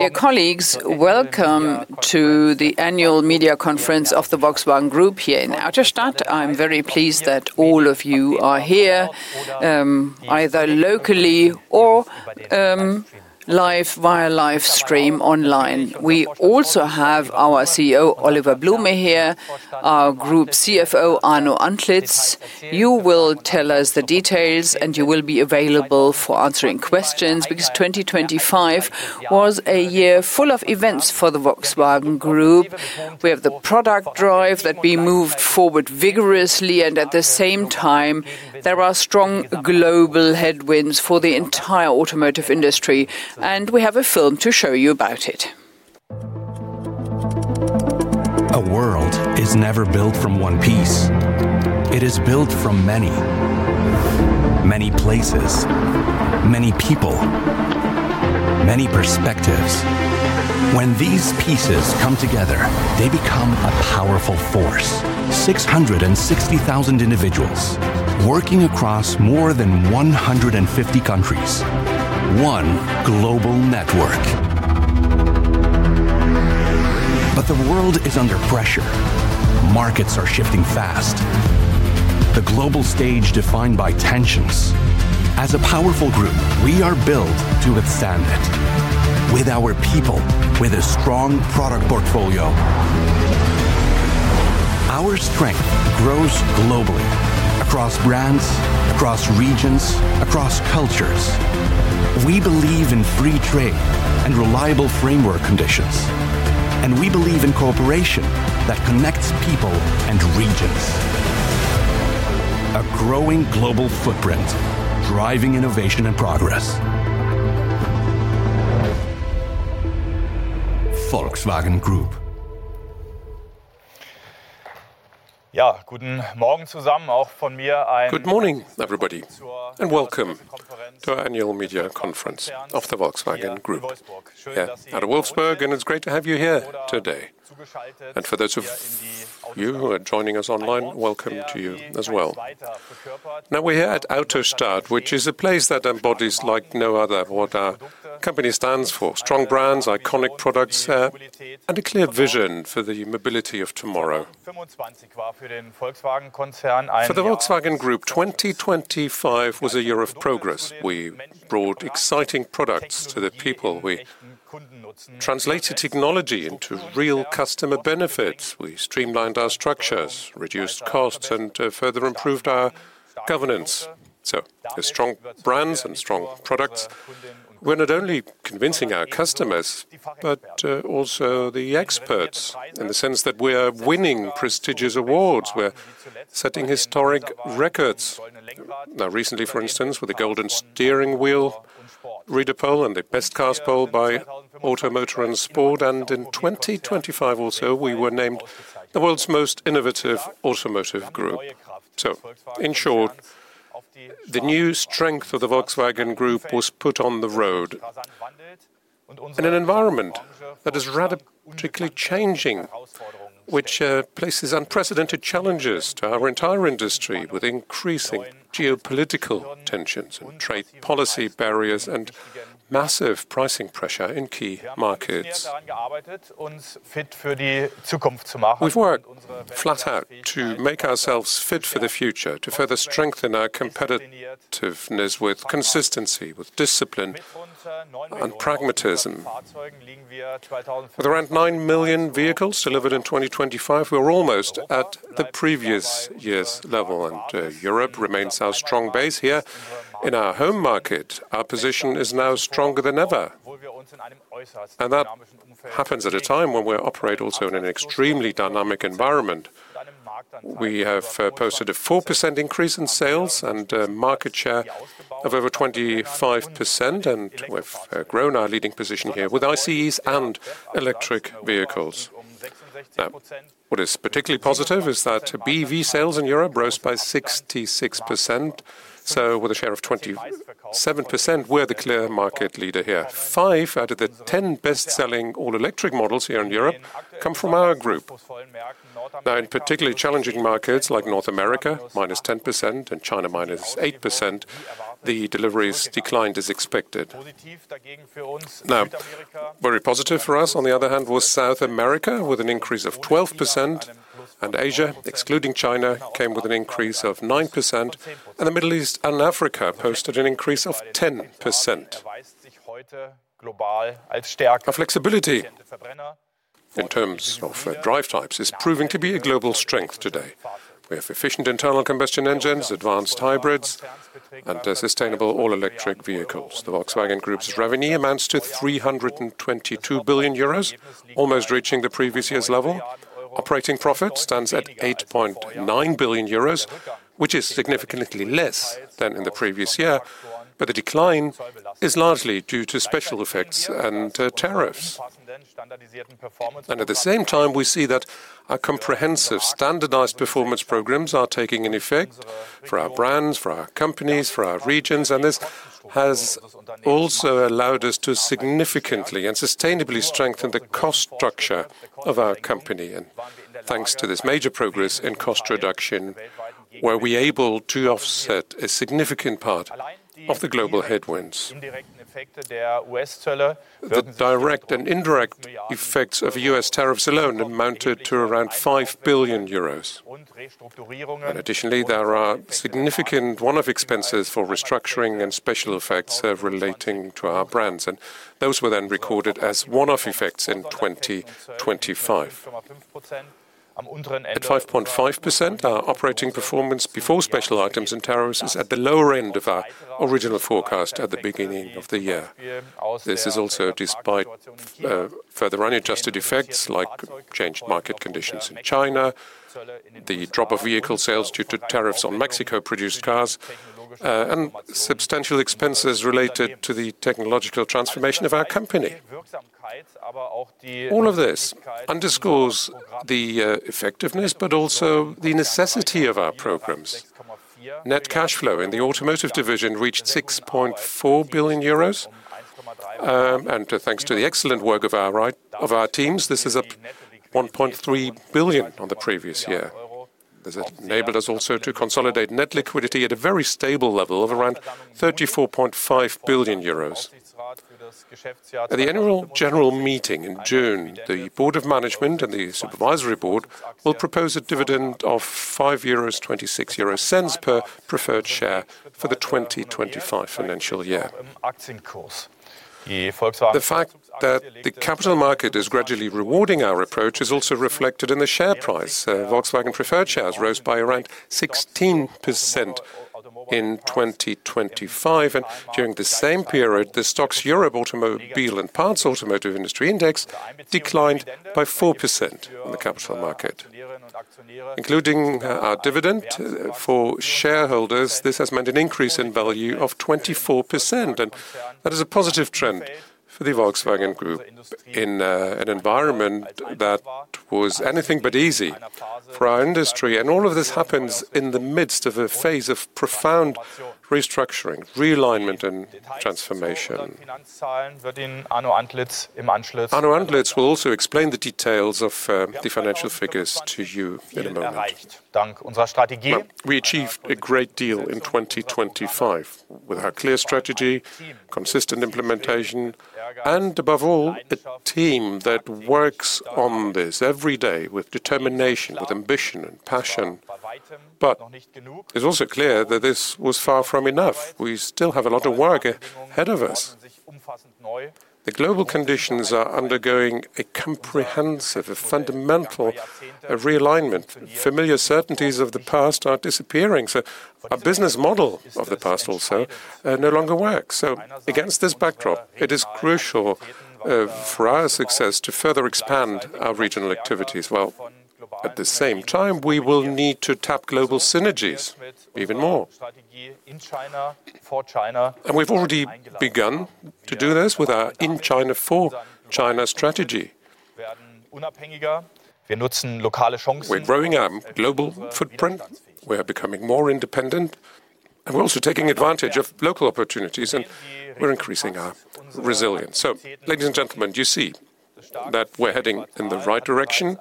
Dear colleagues, welcome to the annual media conference of the Volkswagen Group here in the Autostadt. I'm very pleased that all of you are here, either locally or live via live stream online. We also have our CEO, Oliver Blume, here, our group CFO, Arno Antlitz. You will tell us the details, and you will be available for answering questions because 2025 was a year full of events for the Volkswagen Group. We have the product drive that we moved forward vigorously, and at the same time, there are strong global headwinds for the entire automotive industry, and we have a film to show you about it. A world is never built from one piece. It is built from many. Many places, many people, many perspectives. When these pieces come together, they become a powerful force. 660,000 individuals working across more than 150 countries. One global network. The world is under pressure. Markets are shifting fast. The global stage defined by tensions. As a powerful group, we are built to withstand it with our people, with a strong product portfolio. Our strength grows globally across brands, across regions, across cultures. We believe in free trade and reliable framework conditions, and we believe in cooperation that connects people and regions. A growing global footprint, driving innovation and progress. Volkswagen Group. Good morning, everybody, and welcome to our annual media conference of the Volkswagen Group here out of Wolfsburg, and it's great to have you here today. For those of you who are joining us online, welcome to you as well. Now, we're here at Autostadt, which is a place that embodies like no other, what our company stands for, strong brands, iconic products, and a clear vision for the mobility of tomorrow. For the Volkswagen Group, 2025 was a year of progress. We brought exciting products to the people. We translated technology into real customer benefits. We streamlined our structures, reduced costs, and further improved our governance. With strong brands and strong products, we're not only convincing our customers, but also the experts in the sense that we are winning prestigious awards. We're setting historic records. Now, recently, for instance, with the Golden Steering Wheel, Reader Poll, and the Best Cars Poll by Auto Motor und Sport. In 2025 also, we were named the world's most innovative automotive group. In short, the new strength of the Volkswagen Group was put on the road. In an environment that is radically changing, which places unprecedented challenges to our entire industry with increasing geopolitical tensions and trade policy barriers and massive pricing pressure in key markets. We've worked flat out to make ourselves fit for the future, to further strengthen our competitiveness with consistency, with discipline and pragmatism. With around 9 million vehicles delivered in 2025, we're almost at the previous year's level, and Europe remains our strong base here. In our home market, our position is now stronger than ever, and that happens at a time when we operate also in an extremely dynamic environment. We have posted a 4% increase in sales and a market share of over 25%, and we've grown our leading position here with ICEs and electric vehicles. Now, what is particularly positive is that BEV sales in Europe rose by 66%, so with a share of 27%, we're the clear market leader here. Five out of the 10 best-selling all-electric models here in Europe come from our group. Now, in particularly challenging markets like North America, -10%, and China, -8%, the deliveries declined as expected. Now, very positive for us, on the other hand, was South America with an increase of 12%, and Asia, excluding China, came with an increase of 9%, and the Middle East and Africa posted an increase of 10%. Our flexibility in terms of drive types is proving to be a global strength today. We have efficient internal combustion engines, advanced hybrids, and sustainable all-electric vehicles. The Volkswagen Group's revenue amounts to 322 billion euros, almost reaching the previous year's level. Operating profit stands at 8.9 billion euros, which is significantly less than in the previous year, but the decline is largely due to special effects and tariffs. At the same time, we see that our comprehensive standardized performance programs are taking in effect for our brands, for our companies, for our regions. This has also allowed us to significantly and sustainably strengthen the cost structure of our company. Thanks to this major progress in cost reduction, we were able to offset a significant part of the global headwinds. The direct and indirect effects of U.S. tariffs alone amounted to around 5 billion euros. Additionally, there are significant one-off expenses for restructuring and special effects relating to our brands, and those were then recorded as one-off effects in 2025. At 5.5%, our operating performance before special items and tariffs is at the lower end of our original forecast at the beginning of the year. This is also despite further unadjusted effects like changed market conditions in China, the drop of vehicle sales due to tariffs on Mexico-produced cars, and substantial expenses related to the technological transformation of our company. All of this underscores the effectiveness, but also the necessity of our programs. Net cash flow in the automotive division reached 6.4 billion euros. Thanks to the excellent work of our teams, this is up 1.3 billion on the previous year. This enabled us also to consolidate net liquidity at a very stable level of around 34.5 billion euros. At the annual general meeting in June, the board of management and the supervisory board will propose a dividend of 5.26 euros per preferred share for the 2025 financial year. The fact that the capital market is gradually rewarding our approach is also reflected in the share price. Volkswagen preferred shares rose by around 16% in 2025, and during the same period, the STOXX Europe 600 Automobiles & Parts declined by 4% on the capital market. Including our dividend for shareholders, this has meant an increase in value of 24%, and that is a positive trend for the Volkswagen Group in an environment that was anything but easy for our industry. All of this happens in the midst of a phase of profound restructuring, realignment and transformation. Arno Antlitz will also explain the details of the financial figures to you in a moment. We achieved a great deal in 2025 with our clear strategy, consistent implementation and above all, a team that works on this every day with determination, with ambition and passion. It's also clear that this was far from enough. We still have a lot of work ahead of us. The global conditions are undergoing a comprehensive, fundamental realignment. Familiar certainties of the past are disappearing, so our business model of the past also no longer works. Against this backdrop, it is crucial for our success to further expand our regional activities, while at the same time we will need to tap global synergies even more. We've already begun to do this with our In China for China strategy. We're growing our global footprint, we are becoming more independent, and we're also taking advantage of local opportunities and we're increasing our resilience. Ladies and gentlemen, you see that we're heading in the right direction.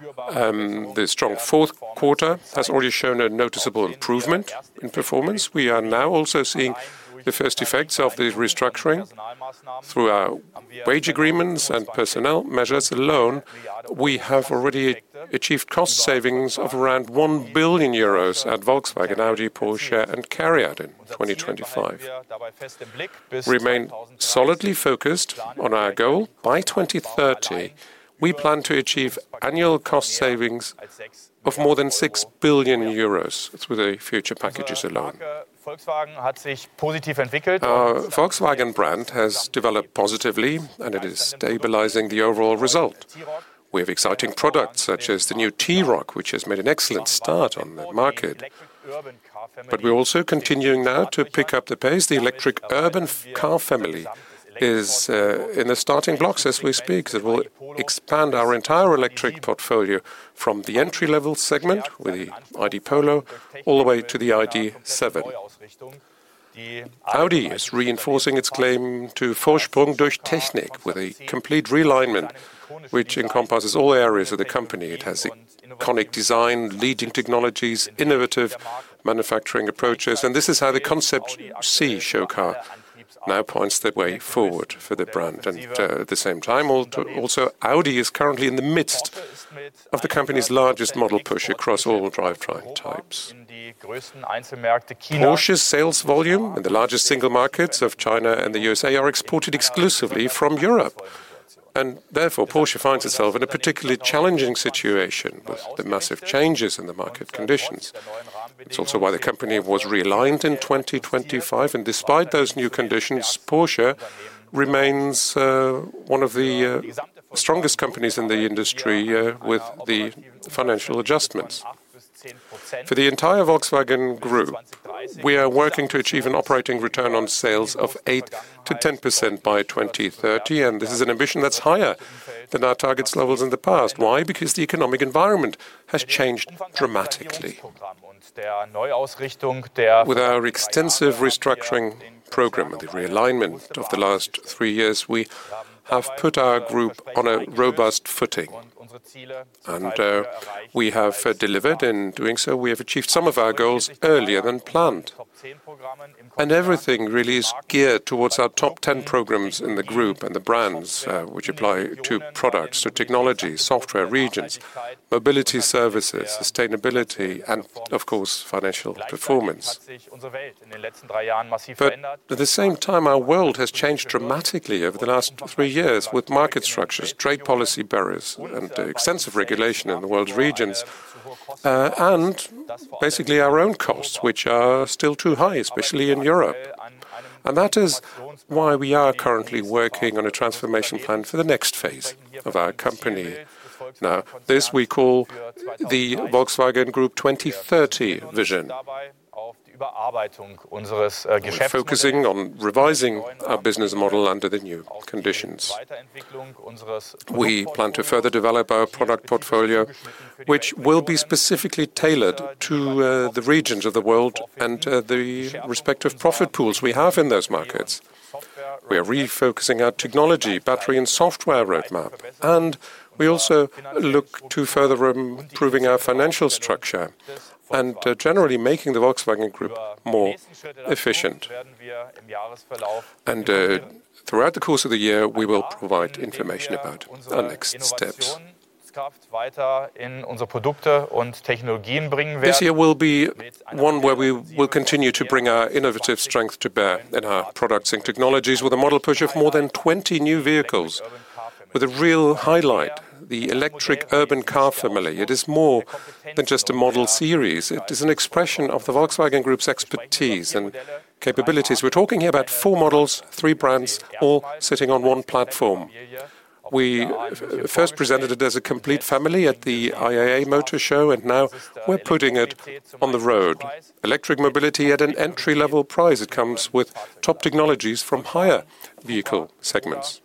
The strong fourth quarter has already shown a noticeable improvement in performance. We are now also seeing the first effects of the restructuring through our wage agreements and personnel measures alone. We have already achieved cost savings of around 1 billion euros at Volkswagen, Audi, Porsche and Cupra in 2025. Remain solidly focused on our goal. By 2030, we plan to achieve annual cost savings of more than 6 billion euros with the future packages alone. Our Volkswagen brand has developed positively and it is stabilizing the overall result. We have exciting products such as the new T-Roc, which has made an excellent start on the market. We're also continuing now to pick up the pace. The electric urban car family is in the starting blocks as we speak, that will expand our entire electric portfolio from the entry-level segment with the ID. Polo all the way to the ID.7. Audi is reinforcing its claim to Porsche's sales volume and the largest single markets of China and the USA are exported exclusively from Europe. Therefore, Porsche finds itself in a particularly challenging situation with the massive changes in the market conditions. It's also why the company was realigned in 2025. Despite those new conditions, Porsche remains one of the strongest companies in the industry with the financial adjustments. For the entire Volkswagen Group, we are working to achieve an operating return on sales of 8%-10% by 2030, and this is an ambition that's higher than our targets levels in the past. Why? Because the economic environment has changed dramatically. With our extensive restructuring program and the realignment of the last three years, we have put our group on a robust footing. We have delivered. In doing so, we have achieved some of our goals earlier than planned. Everything really is geared towards our top 10 programs in the group and the brands, which apply to products or technologies, software, regions, mobility services, sustainability, and of course, financial performance. At the same time, our world has changed dramatically over the last 3 years with market structures, trade policy barriers and extensive regulation in the world's regions. Basically our own costs, which are still too high, especially in Europe. That is why we are currently working on a transformation plan for the next phase of our company. Now, this we call the Volkswagen Group 2030 vision. We're focusing on revising our business model under the new conditions. We plan to further develop our product portfolio, which will be specifically tailored to the regions of the world and the respective profit pools we have in those markets. We are refocusing our technology, battery and software roadmap, and we also look to further improving our financial structure and generally making the Volkswagen Group more efficient. Throughout the course of the year, we will provide information about our next steps. This year will be one where we will continue to bring our innovative strength to bear in our products and technologies with a model push of more than 20 new vehicles with a real highlight, the electric urban car family. It is more than just a model series. It is an expression of the Volkswagen Group's expertise and capabilities. We're talking here about four models, three brands, all sitting on one platform. We first presented it as a complete family at the IAA motor show, and now we're putting it on the road. Electric mobility at an entry-level price. It comes with top technologies from higher vehicle segments.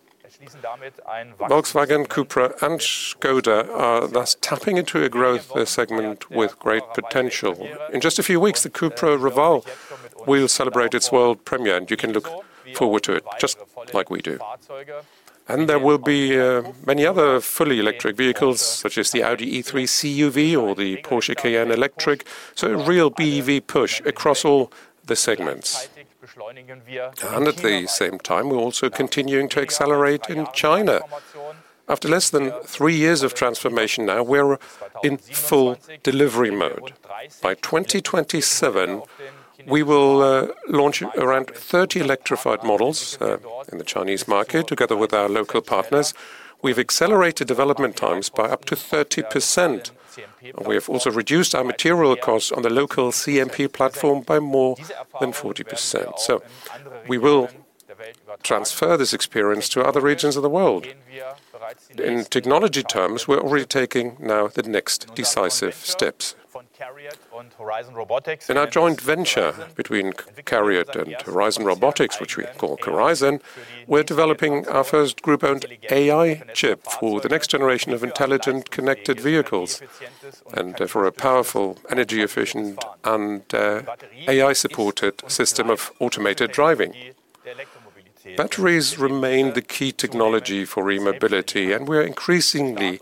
Volkswagen, Cupra and Škoda are thus tapping into a growth segment with great potential. In just a few weeks, the Cupra Raval will celebrate its world premiere, and you can look forward to it just like we do. There will be many other fully electric vehicles, such as the Audi e-tron CUV or the Porsche Cayenne Electric. A real BEV push across all the segments. At the same time, we're also continuing to accelerate in China. After less than three years of transformation now, we're in full delivery mode. By 2027, we will launch around 30 electrified models in the Chinese market, together with our local partners. We've accelerated development times by up to 30%. We have also reduced our material costs on the local CMP platform by more than 40%. We will transfer this experience to other regions of the world. In technology terms, we're already taking now the next decisive steps. In our joint venture between CARIAD and Horizon Robotics, which we call CARIZON, we're developing our first group-owned AI chip for the next generation of intelligent connected vehicles, and for a powerful energy efficient and AI-supported system of automated driving. Batteries remain the key technology for e-mobility, and we are increasingly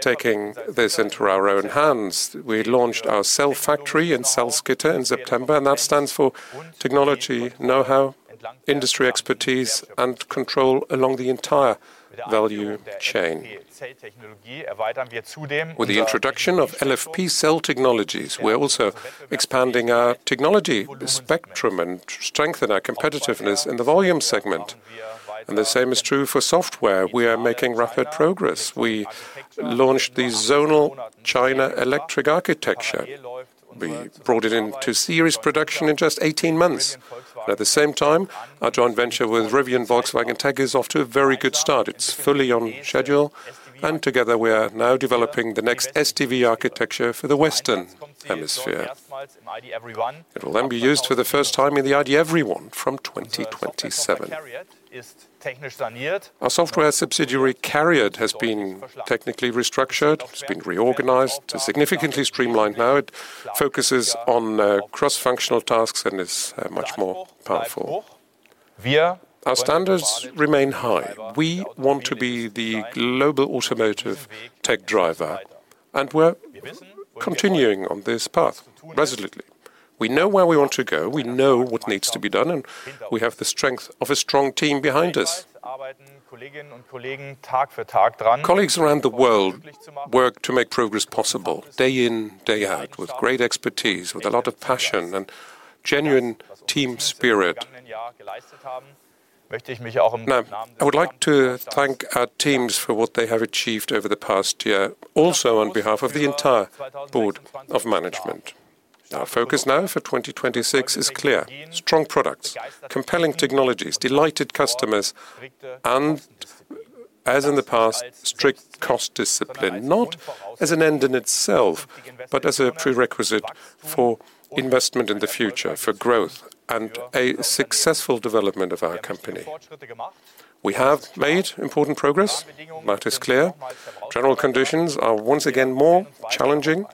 taking this into our own hands. We launched our cell factory in Salzgitter in September, and that stands for technology, know-how, industry expertise and control along the entire value chain. With the introduction of LFP cell technologies, we are also expanding our technology spectrum and strengthen our competitiveness in the volume segment. The same is true for software. We are making rapid progress. We launched the zonal China electric architecture. We brought it into series production in just 18 months. At the same time, our joint venture with Rivian and Volkswagen Group Technologies is off to a very good start. It's fully on schedule, and together we are now developing the next SDV architecture for the Western Hemisphere. It will then be used for the first time in the ID. EVERY1 from 2027. Our software subsidiary, CARIAD, has been technically restructured. It's been reorganized. It's significantly streamlined now. It focuses on cross-functional tasks and is much more powerful. Our standards remain high. We want to be the global automotive tech driver, and we're continuing on this path resolutely. We know where we want to go, we know what needs to be done, and we have the strength of a strong team behind us. Colleagues around the world work to make progress possible day in, day out, with great expertise, with a lot of passion and genuine team spirit. Now, I would like to thank our teams for what they have achieved over the past year, also on behalf of the entire board of management. Our focus now for 2026 is clear. Strong products, compelling technologies, delighted customers, and as in the past, strict cost discipline, not as an end in itself, but as a prerequisite for investment in the future, for growth and a successful development of our company. We have made important progress. That is clear. General conditions are once again more challenging.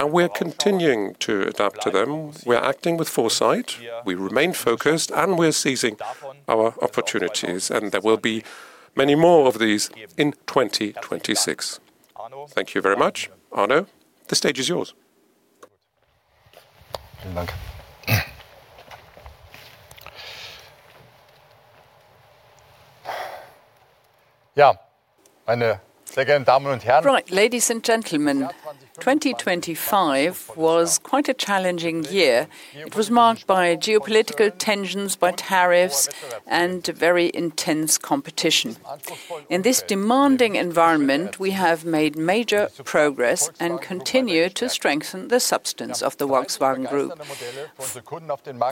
We're continuing to adapt to them. We are acting with foresight, we remain focused, and we're seizing our opportunities. There will be many more of these in 2026. Thank you very much. Arno, the stage is yours. Right. Ladies and gentlemen, 2025 was quite a challenging year. It was marked by geopolitical tensions, by tariffs, and very intense competition. In this demanding environment, we have made major progress and continue to strengthen the substance of the Volkswagen Group.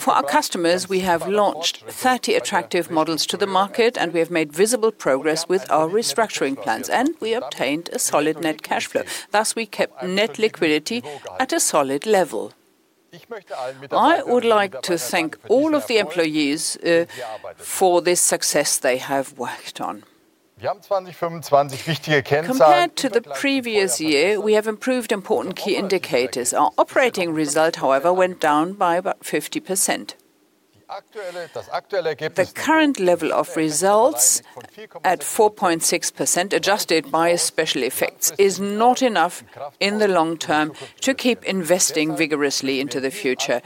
For our customers, we have launched 30 attractive models to the market, and we have made visible progress with our restructuring plans, and we obtained a solid net cash flow. Thus, we kept net liquidity at a solid level. I would like to thank all of the employees for this success they have worked on. Compared to the previous year, we have improved important key indicators. Our operating result, however, went down by about 50%. The current level of results at 4.6%, adjusted by special effects, is not enough in the long term to keep investing vigorously into the future.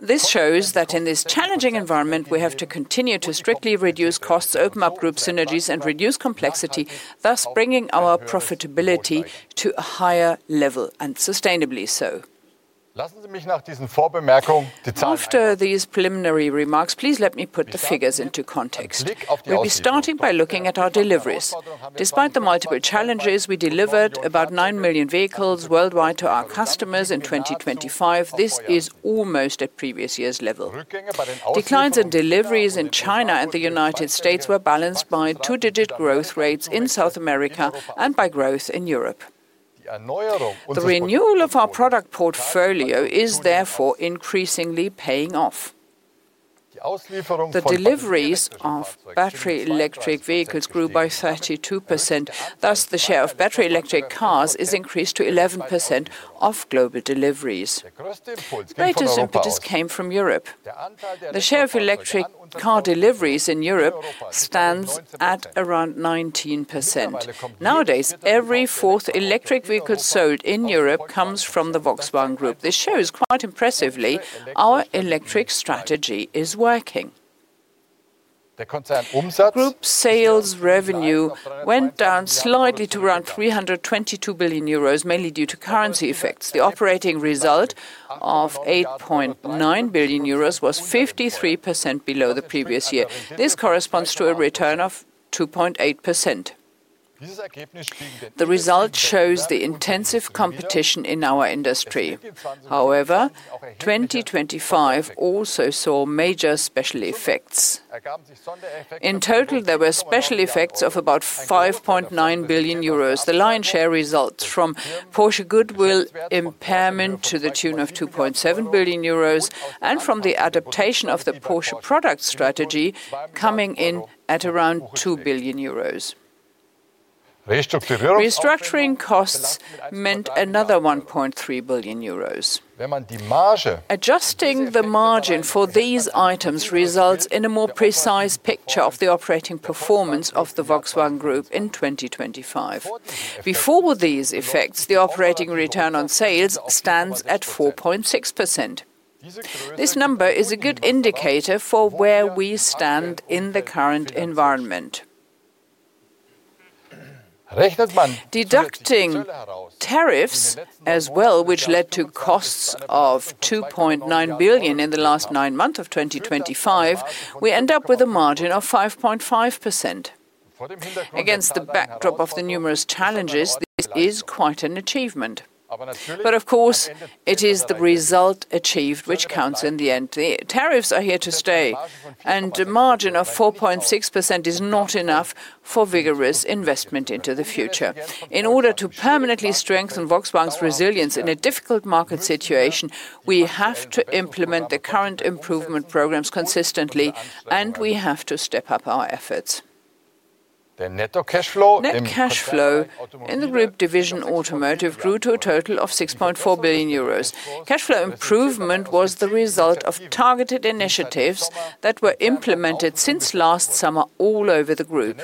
This shows that in this challenging environment, we have to continue to strictly reduce costs, open up group synergies, and reduce complexity, thus bringing our profitability to a higher level, and sustainably so. After these preliminary remarks, please let me put the figures into context. We'll be starting by looking at our deliveries. Despite the multiple challenges, we delivered about 9 million vehicles worldwide to our customers in 2025. This is almost at previous year's level. Declines in deliveries in China and the United States were balanced by two-digit growth rates in South America and by growth in Europe. The renewal of our product portfolio is therefore increasingly paying off. The deliveries of battery electric vehicles grew by 32%. Thus, the share of battery electric cars is increased to 11% of global deliveries. Greatest impetus came from Europe. The share of electric car deliveries in Europe stands at around 19%. Nowadays, every fourth electric vehicle sold in Europe comes from the Volkswagen Group. This shows quite impressively our electric strategy is working. Group sales revenue went down slightly to around 322 billion euros, mainly due to currency effects. The operating result of 8.9 billion euros was 53% below the previous year. This corresponds to a return of 2.8%. The result shows the intensive competition in our industry. However, 2025 also saw major special effects. In total, there were special effects of about 5.9 billion euros. The lion's share results from Porsche goodwill impairment to the tune of 2.7 billion euros and from the adaptation of the Porsche product strategy coming in at around 2 billion euros. Restructuring costs meant another 1.3 billion euros. Adjusting the margin for these items results in a more precise picture of the operating performance of the Volkswagen Group in 2025. Before these effects, the operating return on sales stands at 4.6%. This number is a good indicator for where we stand in the current environment. Deducting tariffs as well, which led to costs of 2.9 billion in the last nine months of 2025, we end up with a margin of 5.5%. Against the backdrop of the numerous challenges, this is quite an achievement. Of course, it is the result achieved which counts in the end. Tariffs are here to stay, and a margin of 4.6% is not enough for vigorous investment into the future. In order to permanently strengthen Volkswagen's resilience in a difficult market situation, we have to implement the current improvement programs consistently, and we have to step up our efforts. Net cash flow in the group division automotive grew to a total of 6.4 billion euros. Cash flow improvement was the result of targeted initiatives that were implemented since last summer all over the group.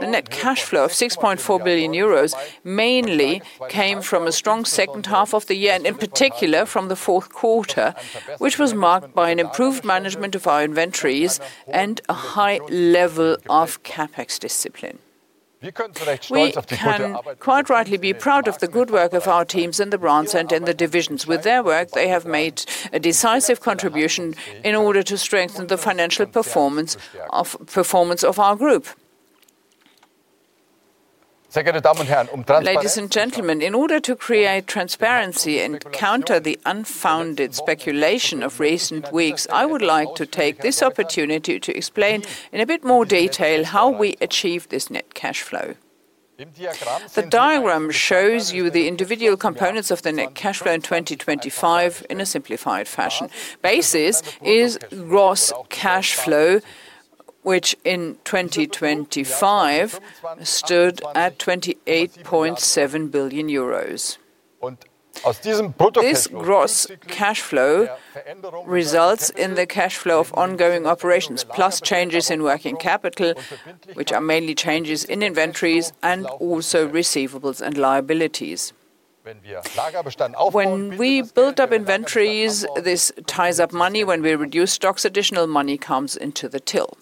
The net cash flow of 6.4 billion euros mainly came from a strong second half of the year, and in particular from the fourth quarter, which was marked by an improved management of our inventories and a high level of CapEx discipline. We can quite rightly be proud of the good work of our teams in the brands and in the divisions. With their work, they have made a decisive contribution in order to strengthen the financial performance of our group. Ladies and gentlemen, in order to create transparency and counter the unfounded speculation of recent weeks, I would like to take this opportunity to explain in a bit more detail how we achieved this net cash flow. The diagram shows you the individual components of the net cash flow in 2025 in a simplified fashion. Basis is gross cash flow, which in 2025 stood at 28.7 billion euros. This gross cash flow results in the cash flow of ongoing operations, plus changes in working capital, which are mainly changes in inventories and also receivables and liabilities. When we build up inventories, this ties up money. When we reduce stocks, additional money comes into the till.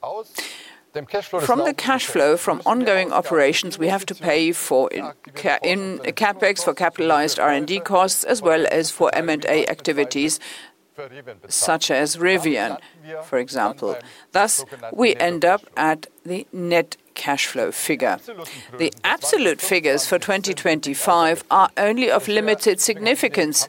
From the cashflow from ongoing operations, we have to pay for in CapEx for capitalized R&D costs, as well as for M&A activities, such as Rivian, for example. Thus, we end up at the net cashflow figure. The absolute figures for 2025 are only of limited significance,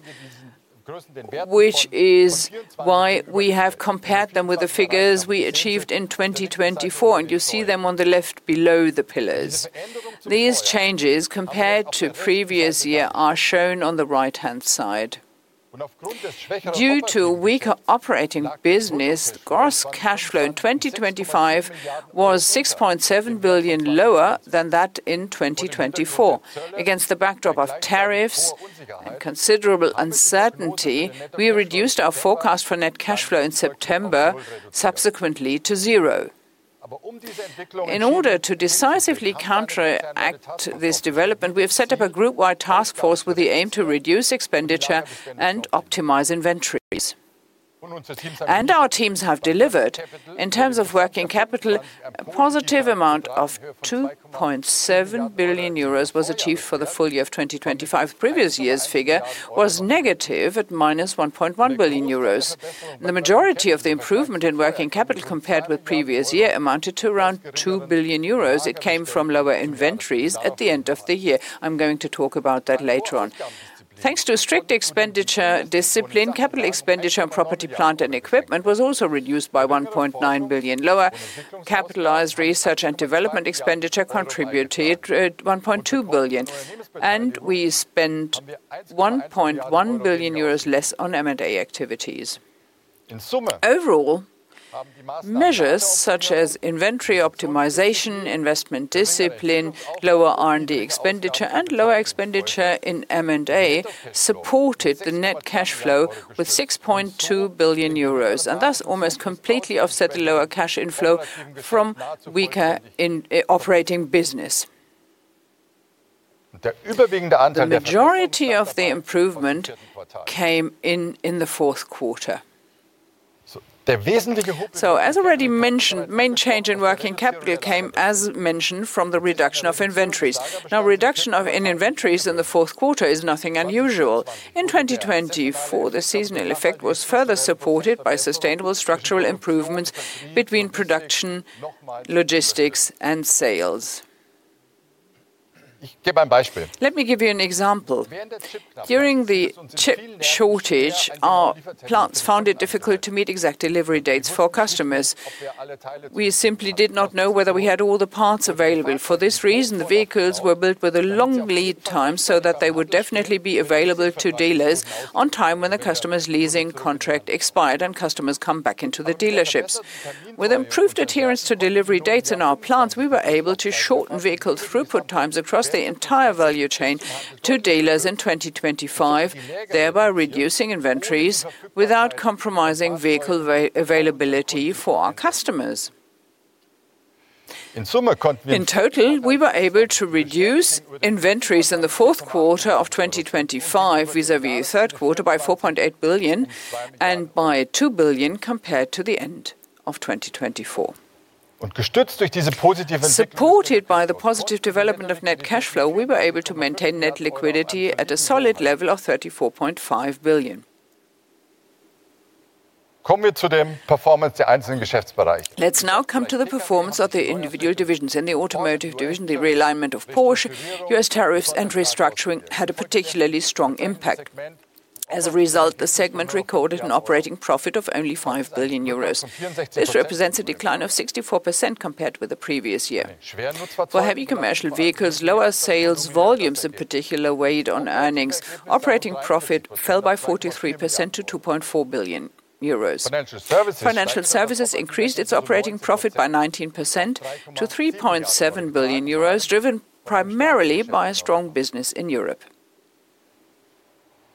which is why we have compared them with the figures we achieved in 2024, and you see them on the left below the pillars. These changes, compared to previous year, are shown on the right-hand side. Due to weaker operating business, gross cashflow in 2025 was 6.7 billion lower than that in 2024. Against the backdrop of tariffs and considerable uncertainty, we reduced our forecast for net cashflow in September subsequently to 0. In order to decisively counteract this development, we have set up a group-wide task force with the aim to reduce expenditure and optimize inventories. Our teams have delivered. In terms of working capital, a positive amount of 2.7 billion euros was achieved for the full year of 2025. Previous year's figure was negative at -1.1 billion euros. The majority of the improvement in working capital compared with previous year amounted to around 2 billion euros. It came from lower inventories at the end of the year. I'm going to talk about that later on. Thanks to a strict expenditure discipline, capital expenditure on property, plant, and equipment was also reduced by 1.9 billion. Lower capitalized research and development expenditure contributed at 1.2 billion, and we spent 1.1 billion euros less on M&A activities. Overall, measures such as inventory optimization, investment discipline, lower R&D expenditure, and lower expenditure in M&A supported the net cash flow with 6.2 billion euros, and thus almost completely offset the lower cash inflow from weaker operating business. The majority of the improvement came in the fourth quarter. As already mentioned, main change in working capital came, as mentioned, from the reduction of inventories. Reduction of inventories in the fourth quarter is nothing unusual. In 2024, the seasonal effect was further supported by sustainable structural improvements between production, logistics, and sales. Let me give you an example. During the chip shortage, our plants found it difficult to meet exact delivery dates for customers. We simply did not know whether we had all the parts available. For this reason, the vehicles were built with a long lead time, so that they would definitely be available to dealers on time when the customer's leasing contract expired and customers come back into the dealerships. With improved adherence to delivery dates in our plants, we were able to shorten vehicle throughput times across the entire value chain to dealers in 2025, thereby reducing inventories without compromising vehicle availability for our customers. In total, we were able to reduce inventories in the fourth quarter of 2025, vis-à-vis third quarter, by 4.8 billion and by 2 billion compared to the end of 2024. Supported by the positive development of net cashflow, we were able to maintain net liquidity at a solid level of 34.5 billion. Let's now come to the performance of the individual divisions. In the automotive division, the realignment of Porsche, U.S. tariffs, and restructuring had a particularly strong impact. As a result, the segment recorded an operating profit of only 5 billion euros. This represents a decline of 64% compared with the previous year. For heavy commercial vehicles, lower sales volumes in particular weighed on earnings. Operating profit fell by 43% to 2.4 billion euros. Financial services increased its operating profit by 19% to 3.7 billion euros, driven primarily by a strong business in Europe.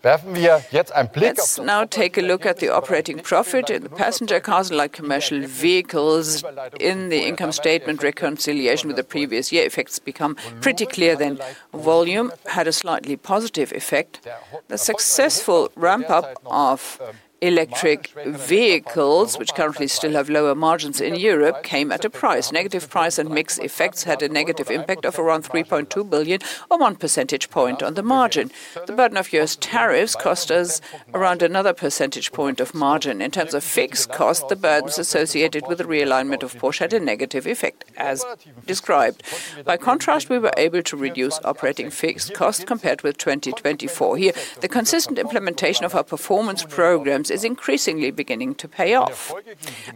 Let's now take a look at the operating profit in the passenger cars, light commercial vehicles. In the income statement reconciliation with the previous year, effects become pretty clear then. Volume had a slightly positive effect. The successful ramp-up of electric vehicles, which currently still have lower margins in Europe, came at a price. Negative price and mix effects had a negative impact of around 3.2 billion or 1 percentage point on the margin. The burden of US tariffs cost us around another percentage point of margin. In terms of fixed cost, the burdens associated with the realignment of Porsche had a negative effect, as described. By contrast, we were able to reduce operating fixed costs compared with 2024. Here, the consistent implementation of our performance programs is increasingly beginning to pay off.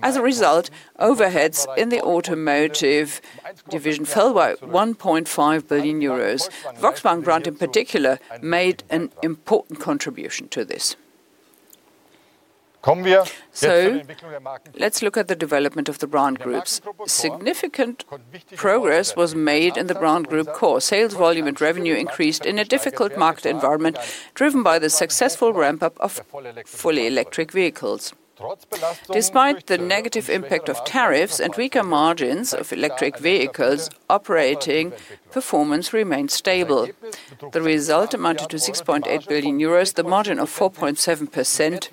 As a result, overheads in the automotive division fell by 1.5 billion euros. Volkswagen brand, in particular, made an important contribution to this. Let's look at the development of the brand groups. Significant progress was made in the Brand Group Core. Sales volume and revenue increased in a difficult market environment, driven by the successful ramp-up of fully electric vehicles. Despite the negative impact of tariffs and weaker margins of electric vehicles, operating performance remained stable. The result amounted to 6.8 billion euros. The margin of 4.7%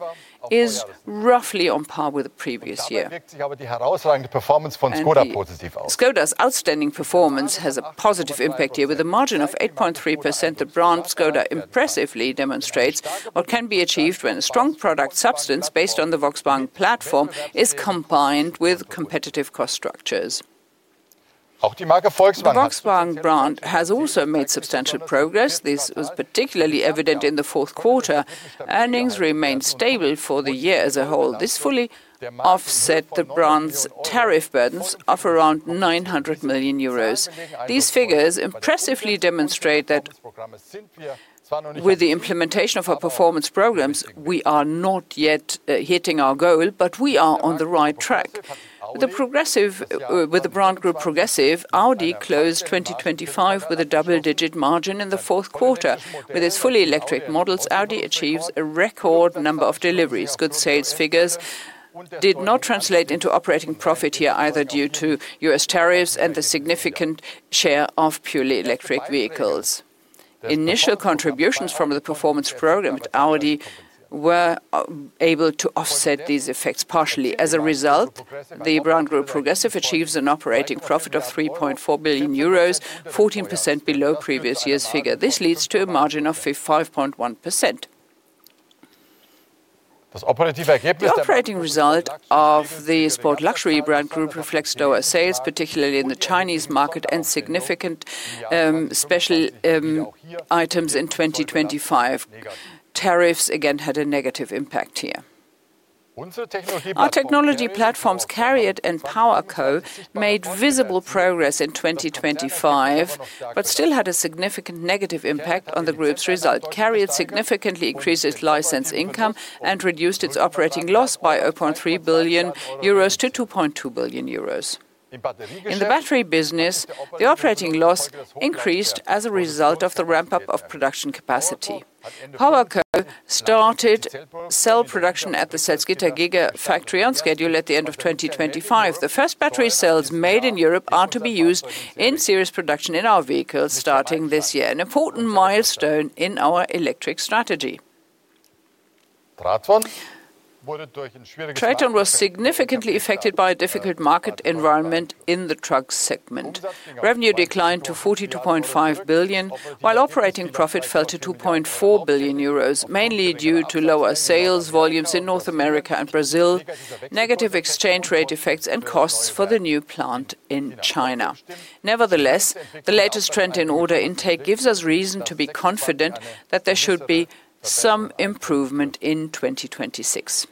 is roughly on par with the previous year. Škoda's outstanding performance has a positive impact here. With a margin of 8.3%, the brand Škoda impressively demonstrates what can be achieved when a strong product substance based on the Volkswagen platform is combined with competitive cost structures. The Volkswagen brand has also made substantial progress. This was particularly evident in the fourth quarter. Earnings remained stable for the year as a whole. This fully offset the brand's tariff burdens of around 900 million euros. These figures impressively demonstrate that with the implementation of our performance programs, we are not yet hitting our goal, but we are on the right track. The Progressive, with the brand group Progressive, Audi closed 2025 with a double-digit margin in the fourth quarter. With its fully electric models, Audi achieves a record number of deliveries. Good sales figures did not translate into operating profit here either, due to U.S. tariffs and the significant share of purely electric vehicles. Initial contributions from the performance program at Audi were able to offset these effects partially. As a result, the brand group Progressive achieves an operating profit of 3.4 billion euros, 14% below previous year's figure. This leads to a margin of 5.1%. The operating result of the Sport Luxury brand group reflects lower sales, particularly in the Chinese market, and significant special items in 2025. Tariffs again had a negative impact here. Our technology platforms, CARIAD and PowerCo, made visible progress in 2025, but still had a significant negative impact on the group's results. CARIAD significantly increased its licensed income and reduced its operating loss by 8.3 billion euros to 2.2 billion euros. In the battery business, the operating loss increased as a result of the ramp-up of production capacity. PowerCo started cell production at the Salzgitter gigafactory on schedule at the end of 2025. The first battery cells made in Europe are to be used in series production in our vehicles, starting this year, an important milestone in our electric strategy. Traton was significantly affected by a difficult market environment in the truck segment. Revenue declined to 42.5 billion, while operating profit fell to 2.4 billion euros, mainly due to lower sales volumes in North America and Brazil, negative exchange rate effects, and costs for the new plant in China. Nevertheless, the latest trend in order intake gives us reason to be confident that there should be some improvement in 2026.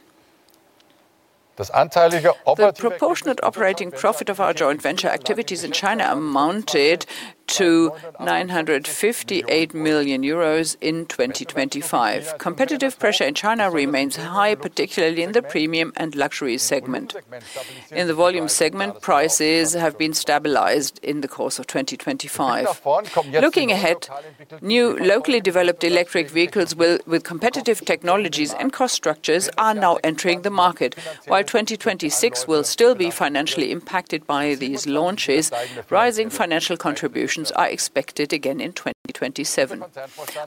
The proportionate operating profit of our joint venture activities in China amounted to 958 million euros in 2025. Competitive pressure in China remains high, particularly in the premium and luxury segment. In the volume segment, prices have been stabilized in the course of 2025. Looking ahead, new locally developed electric vehicles with competitive technologies and cost structures are now entering the market. While 2026 will still be financially impacted by these launches, rising financial contributions are expected again in 2027.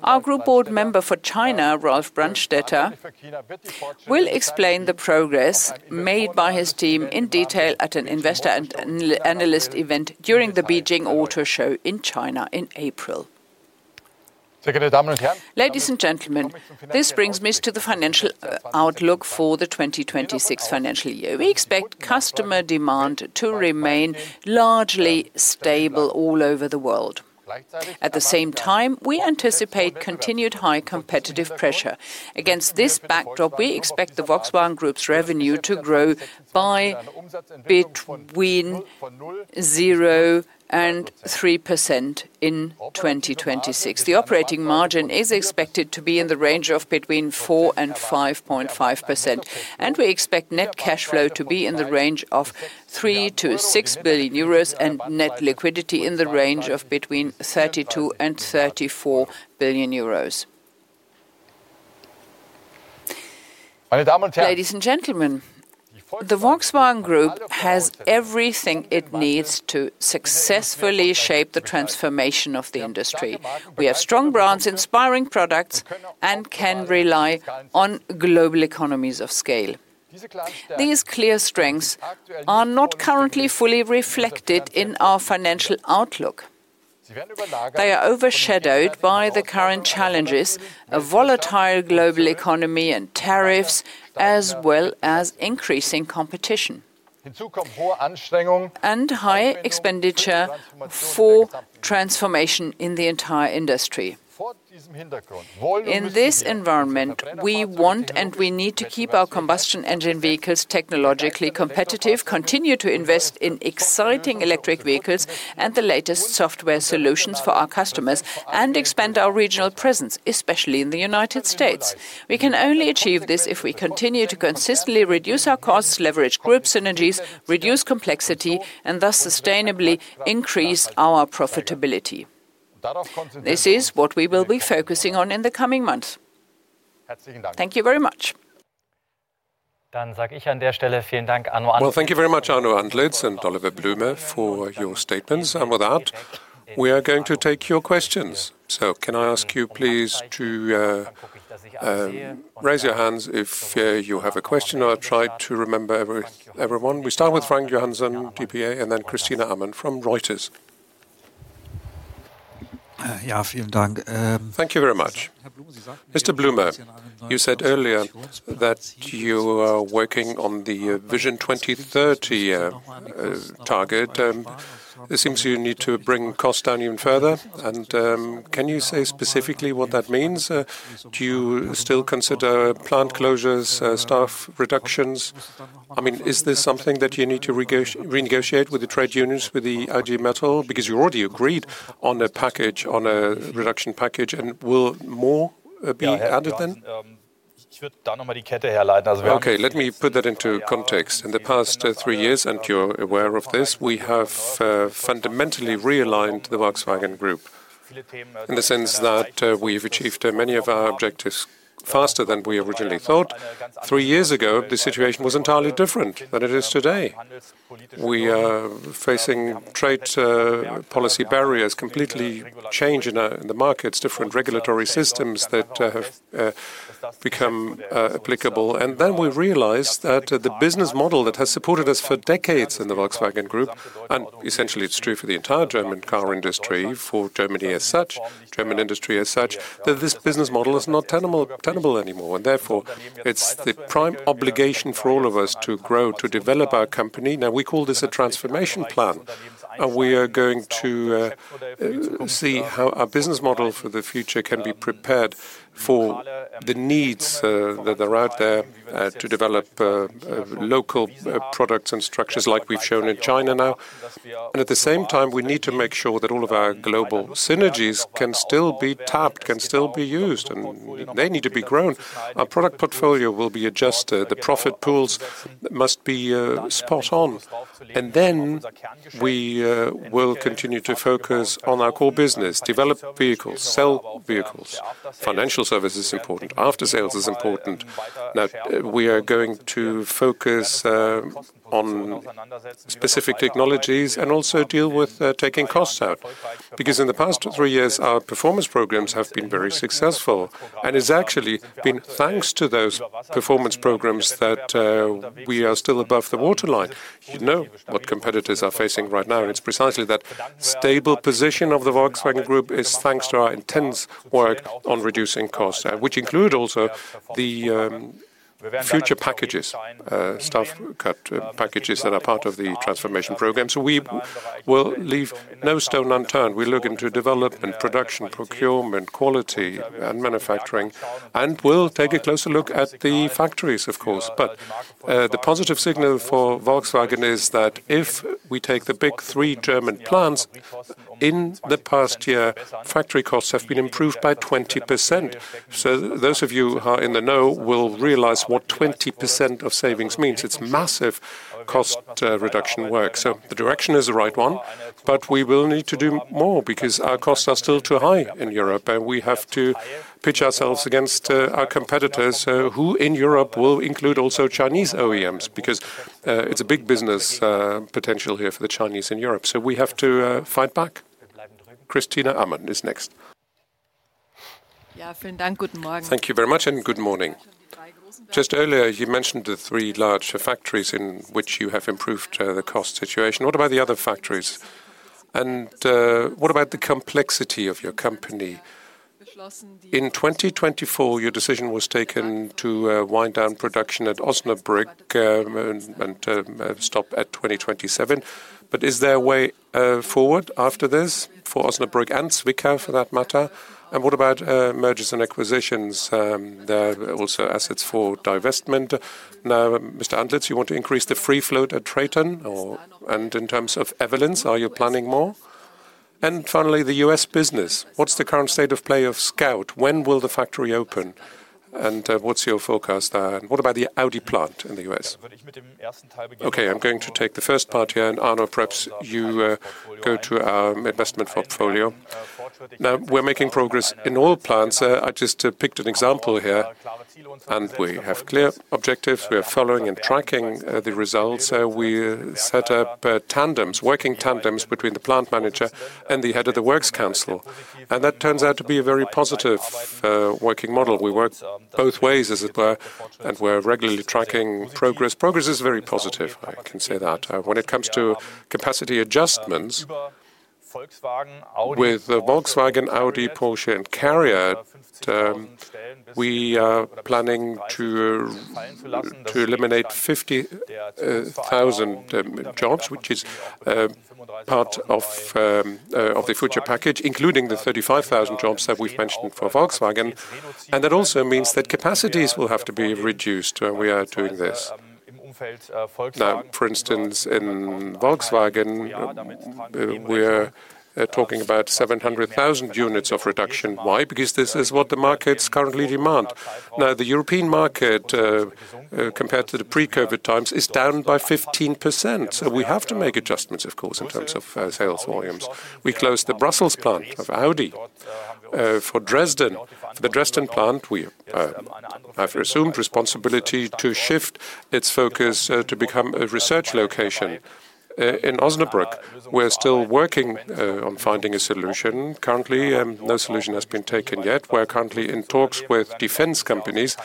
Our group board member for China, Ralf Brandstätter, will explain the progress made by his team in detail at an investor and analyst event during the Beijing Auto Show in China in April. Ladies and gentlemen, this brings me to the financial outlook for the 2026 financial year. We expect customer demand to remain largely stable all over the world. At the same time, we anticipate continued high competitive pressure. Against this backdrop, we expect the Volkswagen Group's revenue to grow by between 0% and 3% in 2026. The operating margin is expected to be in the range of between 4% and 5.5%, and we expect net cash flow to be in the range of 3 billion-6 billion euros and net liquidity in the range of between 32 billion and 34 billion euros. Ladies and gentlemen, the Volkswagen Group has everything it needs to successfully shape the transformation of the industry. We have strong brands, inspiring products, and can rely on global economies of scale. These clear strengths are not currently fully reflected in our financial outlook. They are overshadowed by the current challenges, a volatile global economy and tariffs, as well as increasing competition and high expenditure for transformation in the entire industry. In this environment, we want and we need to keep our combustion engine vehicles technologically competitive, continue to invest in exciting electric vehicles and the latest software solutions for our customers, and expand our regional presence, especially in the United States. We can only achieve this if we continue to consistently reduce our costs, leverage group synergies, reduce complexity, and thus sustainably increase our profitability. This is what we will be focusing on in the coming months. Thank you very much. Well, thank you very much, Arno Antlitz and Oliver Blume, for your statements. With that, we are going to take your questions. Can I ask you please to raise your hands if you have a question? I'll try to remember everyone. We start with Frank Johannsen, dpa, and then Christina Amann from Reuters. Thank you very much. Mr. Blume, you said earlier that you are working on the vision 2030 target. It seems you need to bring costs down even further. Can you say specifically what that means? Do you still consider plant closures, staff reductions? I mean, is this something that you need to renegotiate with the trade unions, with the IG Metall? Because you already agreed on a package, on a reduction package, and will more be added then? Okay, let me put that into context. In the past three years, and you're aware of this, we have fundamentally realigned the Volkswagen Group in the sense that we've achieved many of our objectives faster than we originally thought. Three years ago, the situation was entirely different than it is today. We are facing trade policy barriers, completely change in in the markets, different regulatory systems that have become applicable. Then we realized that the business model that has supported us for decades in the Volkswagen Group, and essentially it's true for the entire German car industry, for Germany as such, German industry as such, that this business model is not tenable anymore. Therefore, it's the prime obligation for all of us to grow, to develop our company. Now, we call this a transformation plan. We are going to see how our business model for the future can be prepared for the needs that are out there to develop local products and structures like we've shown in China now. At the same time, we need to make sure that all of our global synergies can still be tapped, can still be used, and they need to be grown. Our product portfolio will be adjusted. The profit pools must be spot on. We will continue to focus on our core business, develop vehicles, sell vehicles. Financial service is important. After sales is important. Now, we are going to focus on specific technologies and also deal with taking costs out. Because in the past three years, our performance programs have been very successful. It's actually been thanks to those performance programs that we are still above the waterline. You know what competitors are facing right now, and it's precisely that stable position of the Volkswagen Group is thanks to our intense work on reducing costs, which include also the future packages, staff cut packages that are part of the transformation program. We will leave no stone unturned. We look into development, production, procurement, quality, and manufacturing, and we'll take a closer look at the factories, of course. The positive signal for Volkswagen is that if we take the big three German plants, in the past year, factory costs have been improved by 20%. Those of you who are in the know will realize what 20% of savings means. It's massive cost reduction work. The direction is the right one, but we will need to do more because our costs are still too high in Europe, and we have to pitch ourselves against our competitors who in Europe will include also Chinese OEMs, because it's a big business potential here for the Chinese in Europe. We have to fight back. Christina Amann is next. Thank you very much and good morning. Just earlier, you mentioned the three large factories in which you have improved the cost situation. What about the other factories? And what about the complexity of your company? In 2024, your decision was taken to wind down production at Osnabrück and stop at 2027. Is there a way forward after this for Osnabrück and Zwickau for that matter? And what about mergers and acquisitions? There are also assets for divestment. Now, Mr. Antlitz, you want to increase the free float at Traton, or in terms of Europcar, are you planning more? Finally, the U.S. business. What's the current state of play of Scout? When will the factory open? What's your forecast there? And what about the Audi plant in the U.S.? Okay, I'm going to take the first part here, and Arno, perhaps you go to our investment portfolio. Now, we're making progress in all plants. I just picked an example here, and we have clear objectives. We are following and tracking the results. We set up tandems, working tandems between the plant manager and the head of the works council. That turns out to be a very positive working model. We work both ways, as it were, and we're regularly tracking progress. Progress is very positive, I can say that. When it comes to capacity adjustments with Volkswagen, Audi, Porsche and CARIAD, we are planning to eliminate 50,000 jobs, which is part of of the future package, including the 35,000 jobs that we've mentioned for Volkswagen. That also means that capacities will have to be reduced. We are doing this. Now, for instance, in Volkswagen, we're talking about 700,000 units of reduction. Why? Because this is what the markets currently demand. Now, the European market, compared to the pre-COVID times, is down by 15%. We have to make adjustments, of course, in terms of sales volumes. We closed the Brussels plant of Audi. For Dresden, the Dresden plant, we have assumed responsibility to shift its focus to become a research location. In Osnabrück, we're still working on finding a solution. Currently, no solution has been taken yet. We're currently in talks with defense companies.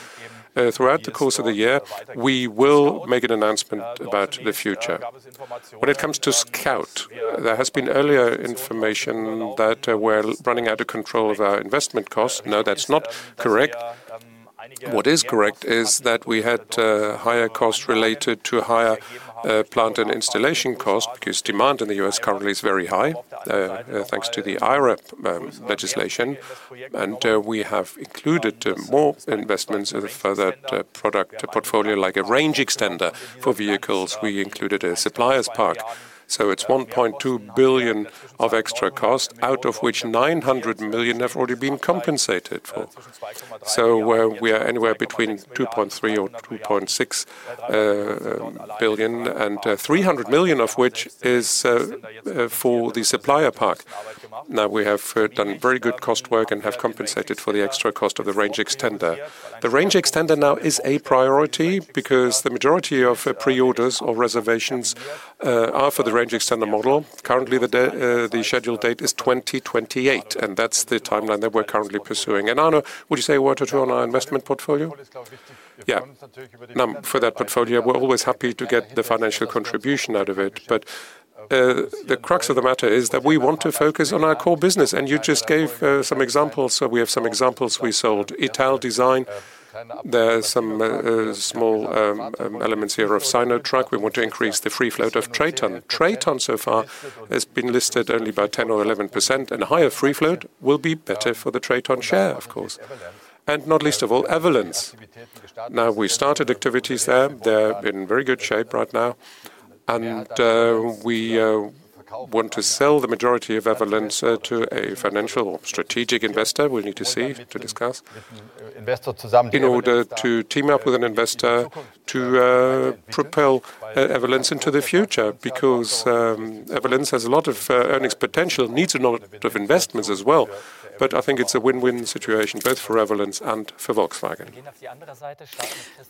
Throughout the course of the year, we will make an announcement about the future. When it comes to Scout, there has been earlier information that we're running out of control of our investment costs. No, that's not correct. What is correct is that we had higher costs related to higher plant and installation costs, because demand in the U.S. currently is very high, thanks to the IRA legislation. We have included more investments for that product portfolio, like a range extender for vehicles. We included a suppliers pack. It's 1.2 billion of extra cost, out of which 900 million have already been compensated for. We're anywhere between 2.3 or 2.6 billion, and 300 million of which is for the supplier pack. Now we have done very good cost work and have compensated for the extra cost of the range extender. The range extender now is a priority because the majority of pre-orders or reservations are for the range extender model. Currently, the scheduled date is 2028, and that's the timeline that we're currently pursuing. Arno, would you say a word or two on our investment portfolio? Yeah. For that portfolio, we're always happy to get the financial contribution out of it. The crux of the matter is that we want to focus on our core business. You just gave some examples. We have some examples. We sold Italdesign. There are some small elements here of Sinotruk. We want to increase the free float of Traton. Traton so far has been listed only by 10% or 11%, and a higher free float will be better for the Traton share, of course, and not least of all, Evolves. Now, we started activities there. They're in very good shape right now. We want to sell the majority of Evolves to a financial strategic investor. We need to see, to discuss, in order to team up with an investor to propel Evolves into the future, because Evolves has a lot of earnings potential, needs a lot of investments as well. I think it's a win-win situation, both for Evolves and for Volkswagen.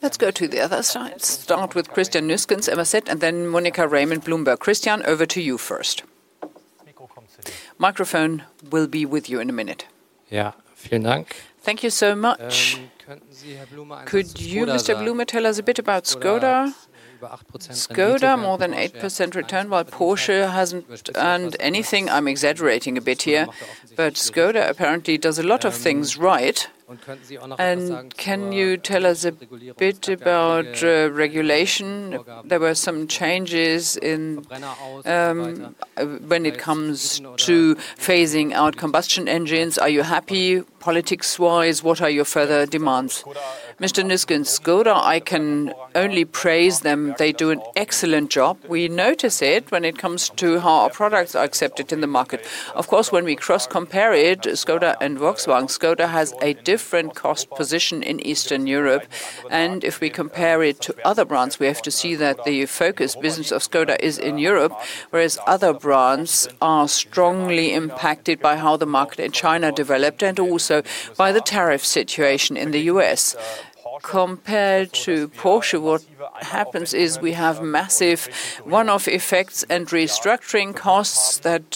Let's go to the other side. Start with Christiaan Hetzner, Automotive News, and then Monica Raymunde, Bloomberg. Christian, over to you first. Microphone will be with you in a minute. Thank you so much. Could you, Mr. Blume, tell us a bit about Škoda? Škoda, more than 8% return, while Porsche hasn't earned anything. I'm exaggerating a bit here, but Škoda apparently does a lot of things right. Can you tell us a bit about regulation? There were some changes in when it comes to phasing out combustion engines. Are you happy politics-wise? What are your further demands? Mr. Nüskens, Škoda, I can only praise them. They do an excellent job. We notice it when it comes to how our products are accepted in the market. Of course, when we cross-compare it, Škoda and Volkswagen, Škoda has a different cost position in Eastern Europe. If we compare it to other brands, we have to see that the focus business of Škoda is in Europe, whereas other brands are strongly impacted by how the market in China developed and also by the tariff situation in the U.S. Compared to Porsche, what happens is we have massive one-off effects and restructuring costs that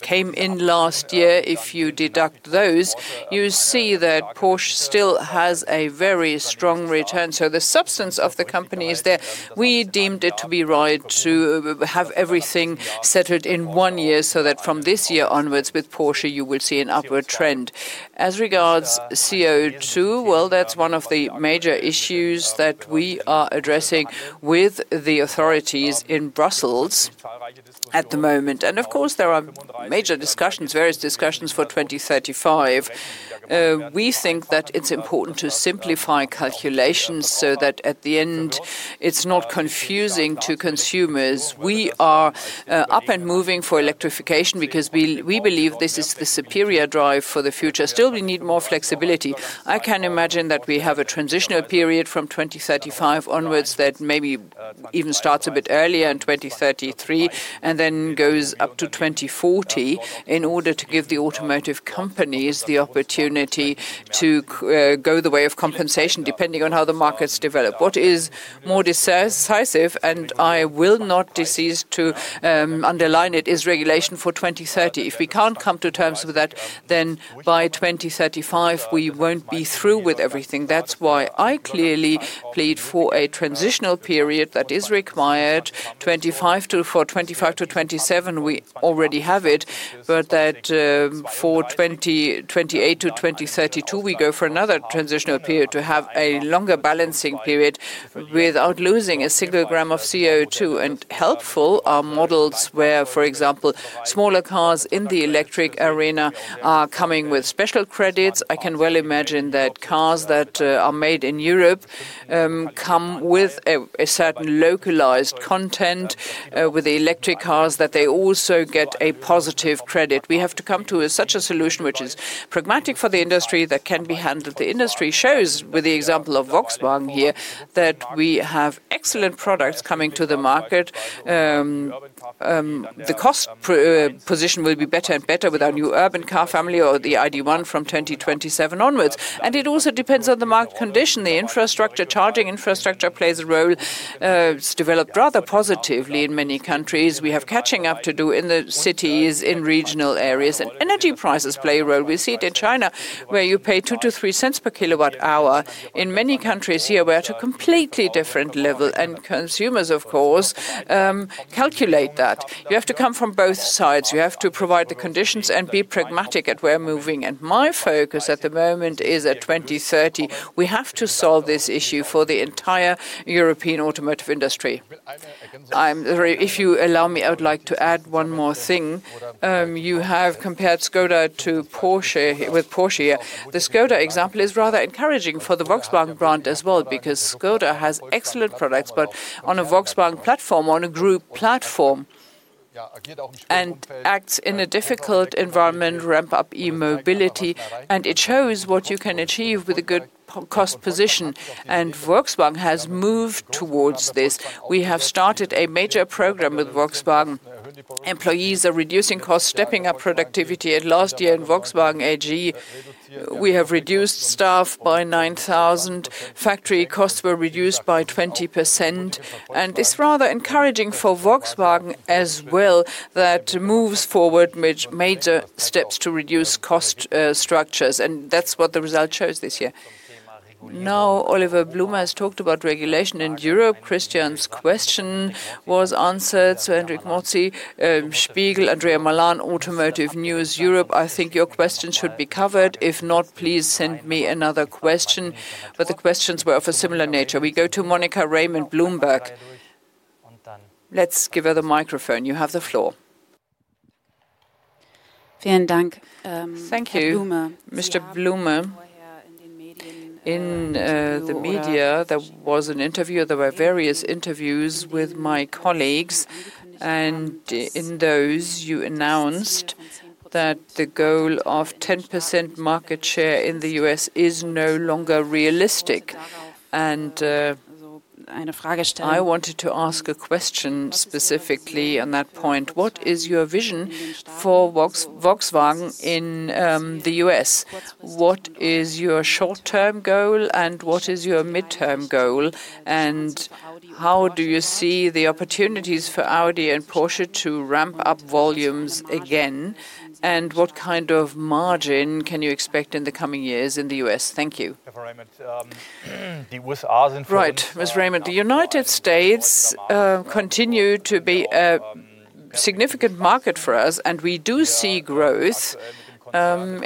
came in last year. If you deduct those, you see that Porsche still has a very strong return. The substance of the company is there. We deemed it to be right to have everything settled in one year, so that from this year onwards with Porsche, you will see an upward trend. As regards CO2, well, that's one of the major issues that we are addressing with the authorities in Brussels at the moment. Of course, there are major discussions, various discussions for 2035. We think that it's important to simplify calculations so that at the end, it's not confusing to consumers. We are up and moving for electrification because we believe this is the superior drive for the future. Still, we need more flexibility. I can imagine that we have a transitional period from 2035 onwards that maybe even starts a bit earlier in 2033 and then goes up to 2040 in order to give the automotive companies the opportunity to go the way of compensation, depending on how the markets develop. What is more decisive, and I will not cease to underline it, is regulation for 2030. If we can't come to terms with that, then by 2035, we won't be through with everything. That's why I clearly plead for a transitional period that is required, 25 to... For 2025-2027, we already have it, but that, for 2028-2032, we go for another transitional period to have a longer balancing period without losing a single gram of CO2. Helpful are models where, for example, smaller cars in the electric arena are coming with special credits. I can well imagine that cars that are made in Europe come with a certain localized content with the electric cars, that they also get a positive credit. We have to come to such a solution which is pragmatic for the industry that can be handled. The industry shows with the example of Volkswagen here that we have excellent products coming to the market, the cost position will be better and better with our new urban car family or the ID.1 from 2027 onwards. It also depends on the market condition. The infrastructure, charging infrastructure plays a role. It's developed rather positively in many countries. We have catching up to do in the cities, in regional areas. Energy prices play a role. We see it in China, where you pay 2-3 cents per kWh. In many countries here, we're at a completely different level, and consumers, of course, calculate that. You have to come from both sides. You have to provide the conditions and be pragmatic about where we're moving. My focus at the moment is at 2030. We have to solve this issue for the entire European automotive industry. If you allow me, I would like to add one more thing. You have compared Škoda to Porsche, with Porsche. The Škoda example is rather encouraging for the Volkswagen brand as well because Škoda has excellent products, but on a Volkswagen platform, on a group platform, and acts in a difficult environment, ramp up e-mobility, and it shows what you can achieve with a good cost position. Volkswagen has moved towards this. We have started a major program with Volkswagen. Employees are reducing costs, stepping up productivity. Last year in Volkswagen AG, we have reduced staff by 9,000. Factory costs were reduced by 20%. It's rather encouraging for Volkswagen as well that moves forward major steps to reduce cost structures. That's what the result shows this year. Now, Oliver Blume has talked about regulation in Europe. Christian's question was answered to Henning Krogh, Der Spiegel, Andrea Malan, Automotive News Europe. I think your question should be covered. If not, please send me another question. But the questions were of a similar nature. We go to Monica Raymunt, Bloomberg. Let's give her the microphone. You have the floor. Thank you, Mr. Blume. In the media, there was an interview, there were various interviews with my colleagues, and in those, you announced that the goal of 10% market share in the U.S. is no longer realistic. I wanted to ask a question specifically on that point. What is your vision for Volkswagen in the U.S.? What is your short-term goal, and what is your midterm goal? How do you see the opportunities for Audi and Porsche to ramp up volumes again? What kind of margin can you expect in the coming years in the U.S.? Thank you. Right. Ms. Raymunt, the United States continue to be a significant market for us, and we do see growth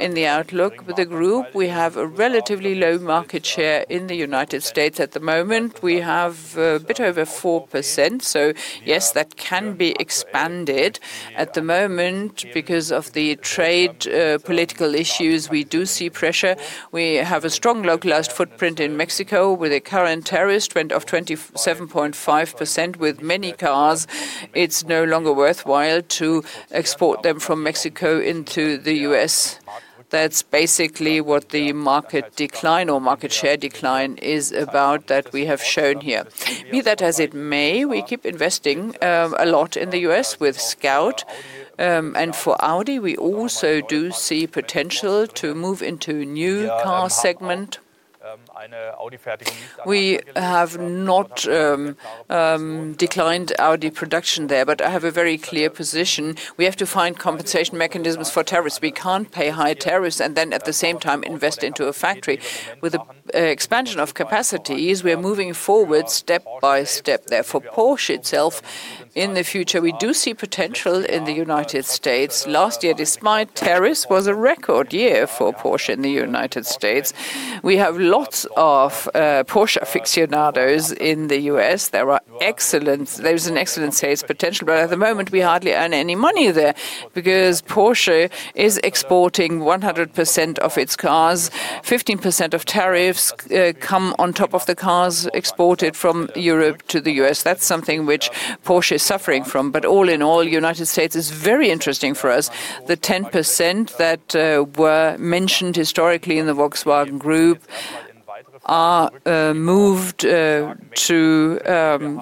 in the outlook with the group. We have a relatively low market share in the United States. At the moment, we have a bit over 4%. Yes, that can be expanded. At the moment, because of the trade political issues, we do see pressure. We have a strong localized footprint in Mexico with a current tariff trend of 27.5% with many cars. It's no longer worthwhile to export them from Mexico into the U.S. That's basically what the market decline or market share decline is about that we have shown here. Be that as it may, we keep investing a lot in the U.S. with Scout. For Audi, we also do see potential to move into a new car segment. We have not declined Audi production there, but I have a very clear position. We have to find compensation mechanisms for tariffs. We can't pay high tariffs and then at the same time invest into a factory. With the expansion of capacities, we are moving forward step by step there. For Porsche itself, in the future, we do see potential in the United States. Last year, despite tariffs, was a record year for Porsche in the United States. We have lots of Porsche aficionados in the US. There's an excellent sales potential, but at the moment, we hardly earn any money there because Porsche is exporting 100% of its cars. 15% tariffs come on top of the cars exported from Europe to the US. That's something which Porsche is suffering from. All in all, United States is very interesting for us. The 10% that were mentioned historically in the Volkswagen Group are moved to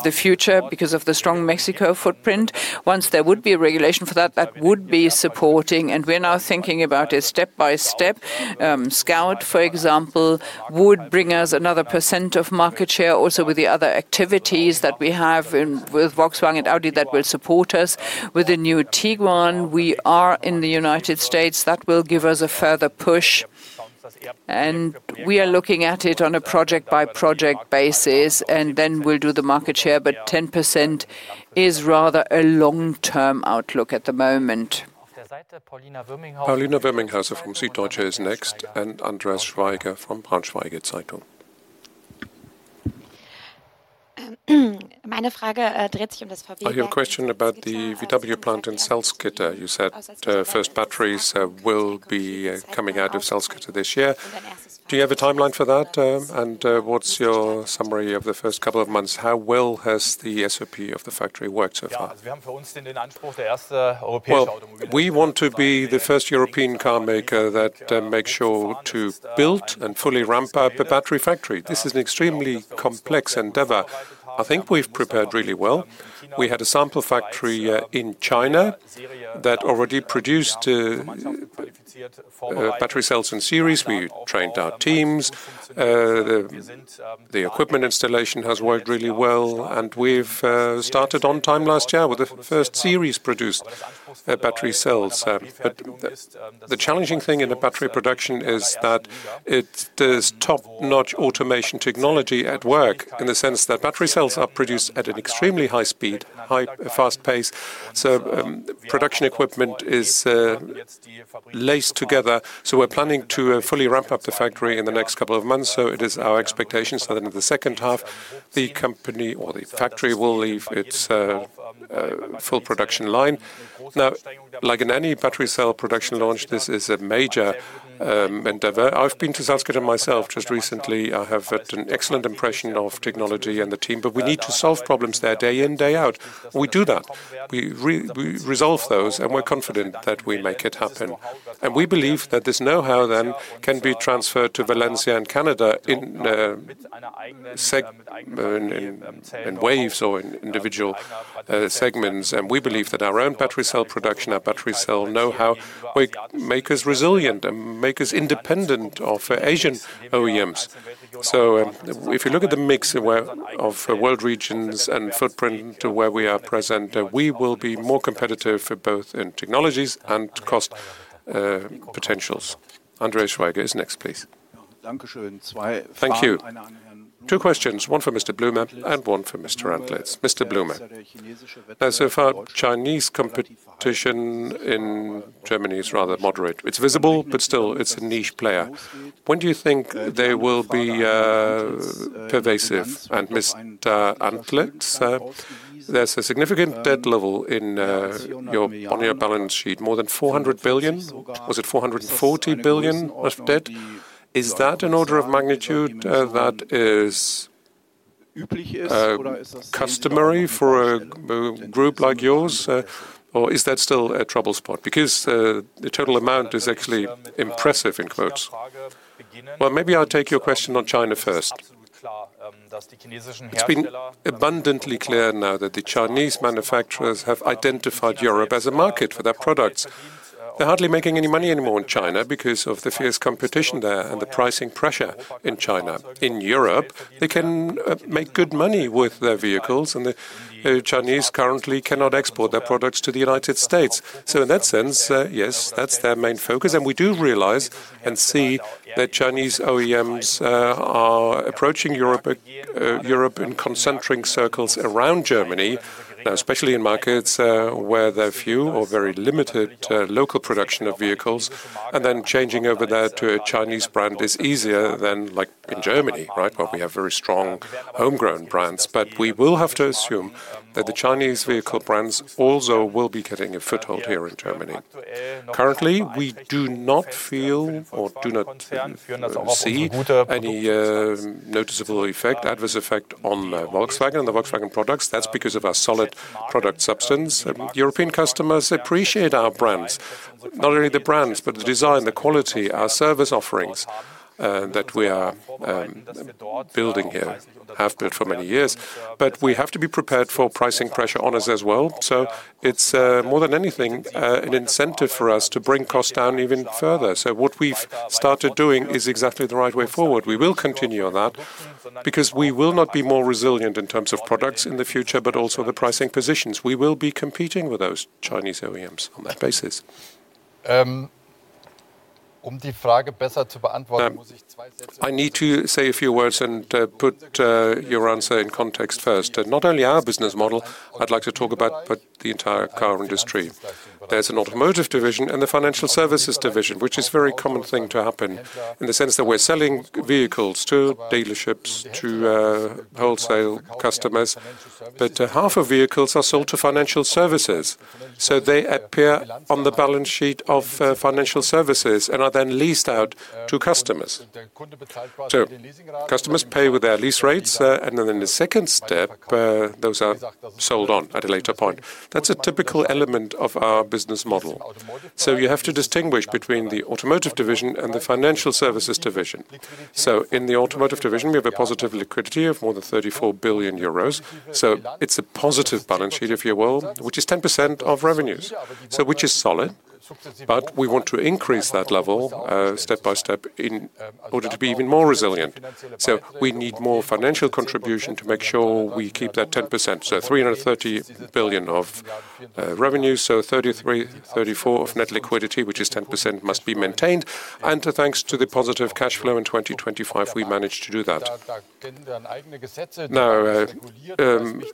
the future because of the strong Mexico footprint. Once there would be a regulation for that would be supporting, and we're now thinking about it step by step. Scout, for example, would bring us another percent of market share also with the other activities that we have in with Volkswagen and Audi that will support us. With the new Tiguan, we are in the United States. That will give us a further push. We are looking at it on a project-by-project basis, and then we'll do the market share. 10% is rather a long-term outlook at the moment. Paulina Werminghaus from Süddeutsche is next, and Andreas Schweiger from Braunschweigische Zeitung. I have a question about the VW plant in Salzgitter. You said first batteries will be coming out of Salzgitter this year. Do you have a timeline for that? What's your summary of the first couple of months? How well has the SOP of the factory worked so far? Well, we want to be the first European car maker that makes sure to build and fully ramp up a battery factory. This is an extremely complex endeavor. I think we've prepared really well. We had a sample factory in China that already produced. Battery cells in series. We trained our teams. The equipment installation has worked really well, and we've started on time last year with the first series produced battery cells. The challenging thing in the battery production is that there's top-notch automation technology at work in the sense that battery cells are produced at an extremely high speed, fast pace. Production equipment is linked together. We're planning to fully ramp up the factory in the next couple of months. It is our expectation in the second half, the factory will reach its full production line. Like in any battery cell production launch, this is a major endeavor. I've been to Salzgitter myself just recently. I have an excellent impression of technology and the team, but we need to solve problems there day in, day out. We do that. We resolve those, and we're confident that we make it happen. We believe that this know-how then can be transferred to Valencia and Canada in waves or in individual segments. We believe that our own battery cell production, our battery cell know-how make us resilient and make us independent of Asian OEMs. If you look at the mix whereof world regions and footprint to where we are present, we will be more competitive for both in technologies and cost potentials. Andreas Schweiger is next, please. Thank you. Two questions, one for Oliver Blume and one for Mr. Antlitz. Oliver Blume. So far, Chinese competition in Germany is rather moderate. It's visible, but still, it's a niche player. When do you think they will be pervasive? Mr. Antlitz, there's a significant debt level on your balance sheet, more than 400 billion. Was it 440 billion of debt? Is that an order of magnitude that is customary for a group like yours? Or is that still a trouble spot? Because the total amount is actually impressive in quotes. Well, maybe I'll take your question on China first. It's been abundantly clear now that the Chinese manufacturers have identified Europe as a market for their products. They're hardly making any money anymore in China because of the fierce competition there and the pricing pressure in China. In Europe, they can make good money with their vehicles, and the Chinese currently cannot export their products to the United States. In that sense, yes, that's their main focus. We do realize and see that Chinese OEMs are approaching Europe in concentrating circles around Germany, especially in markets where there are few or very limited local production of vehicles, and then changing over there to a Chinese brand is easier than like in Germany, right, where we have very strong homegrown brands. We will have to assume that the Chinese vehicle brands also will be getting a foothold here in Germany. Currently, we do not feel or do not see any noticeable effect, adverse effect on Volkswagen and the Volkswagen products. That's because of our solid product substance. European customers appreciate our brands, not only the brands, but the design, the quality, our service offerings that we are building here, have built for many years. We have to be prepared for pricing pressure on us as well. It's more than anything an incentive for us to bring costs down even further. What we've started doing is exactly the right way forward. We will continue on that because we will not be more resilient in terms of products in the future, but also the pricing positions. We will be competing with those Chinese OEMs on that basis. I need to say a few words and put your answer in context first. Not only our business model, I'd like to talk about the entire car industry. There's an automotive division and the financial services division, which is very common thing to happen in the sense that we're selling vehicles to dealerships, to wholesale customers. Half of vehicles are sold to financial services, so they appear on the balance sheet of financial services and are then leased out to customers. Customers pay with their lease rates, and then in the second step, those are sold on at a later point. That's a typical element of our business model. You have to distinguish between the automotive division and the financial services division. In the automotive division, we have a positive liquidity of more than 34 billion euros. It's a positive balance sheet, if you will, which is 10% of revenues, which is solid. We want to increase that level step by step in order to be even more resilient. We need more financial contribution to make sure we keep that 10%. 330 billion of revenue, so 33-34 billion of net liquidity, which is 10%, must be maintained. Thanks to the positive cash flow in 2025, we managed to do that. Now,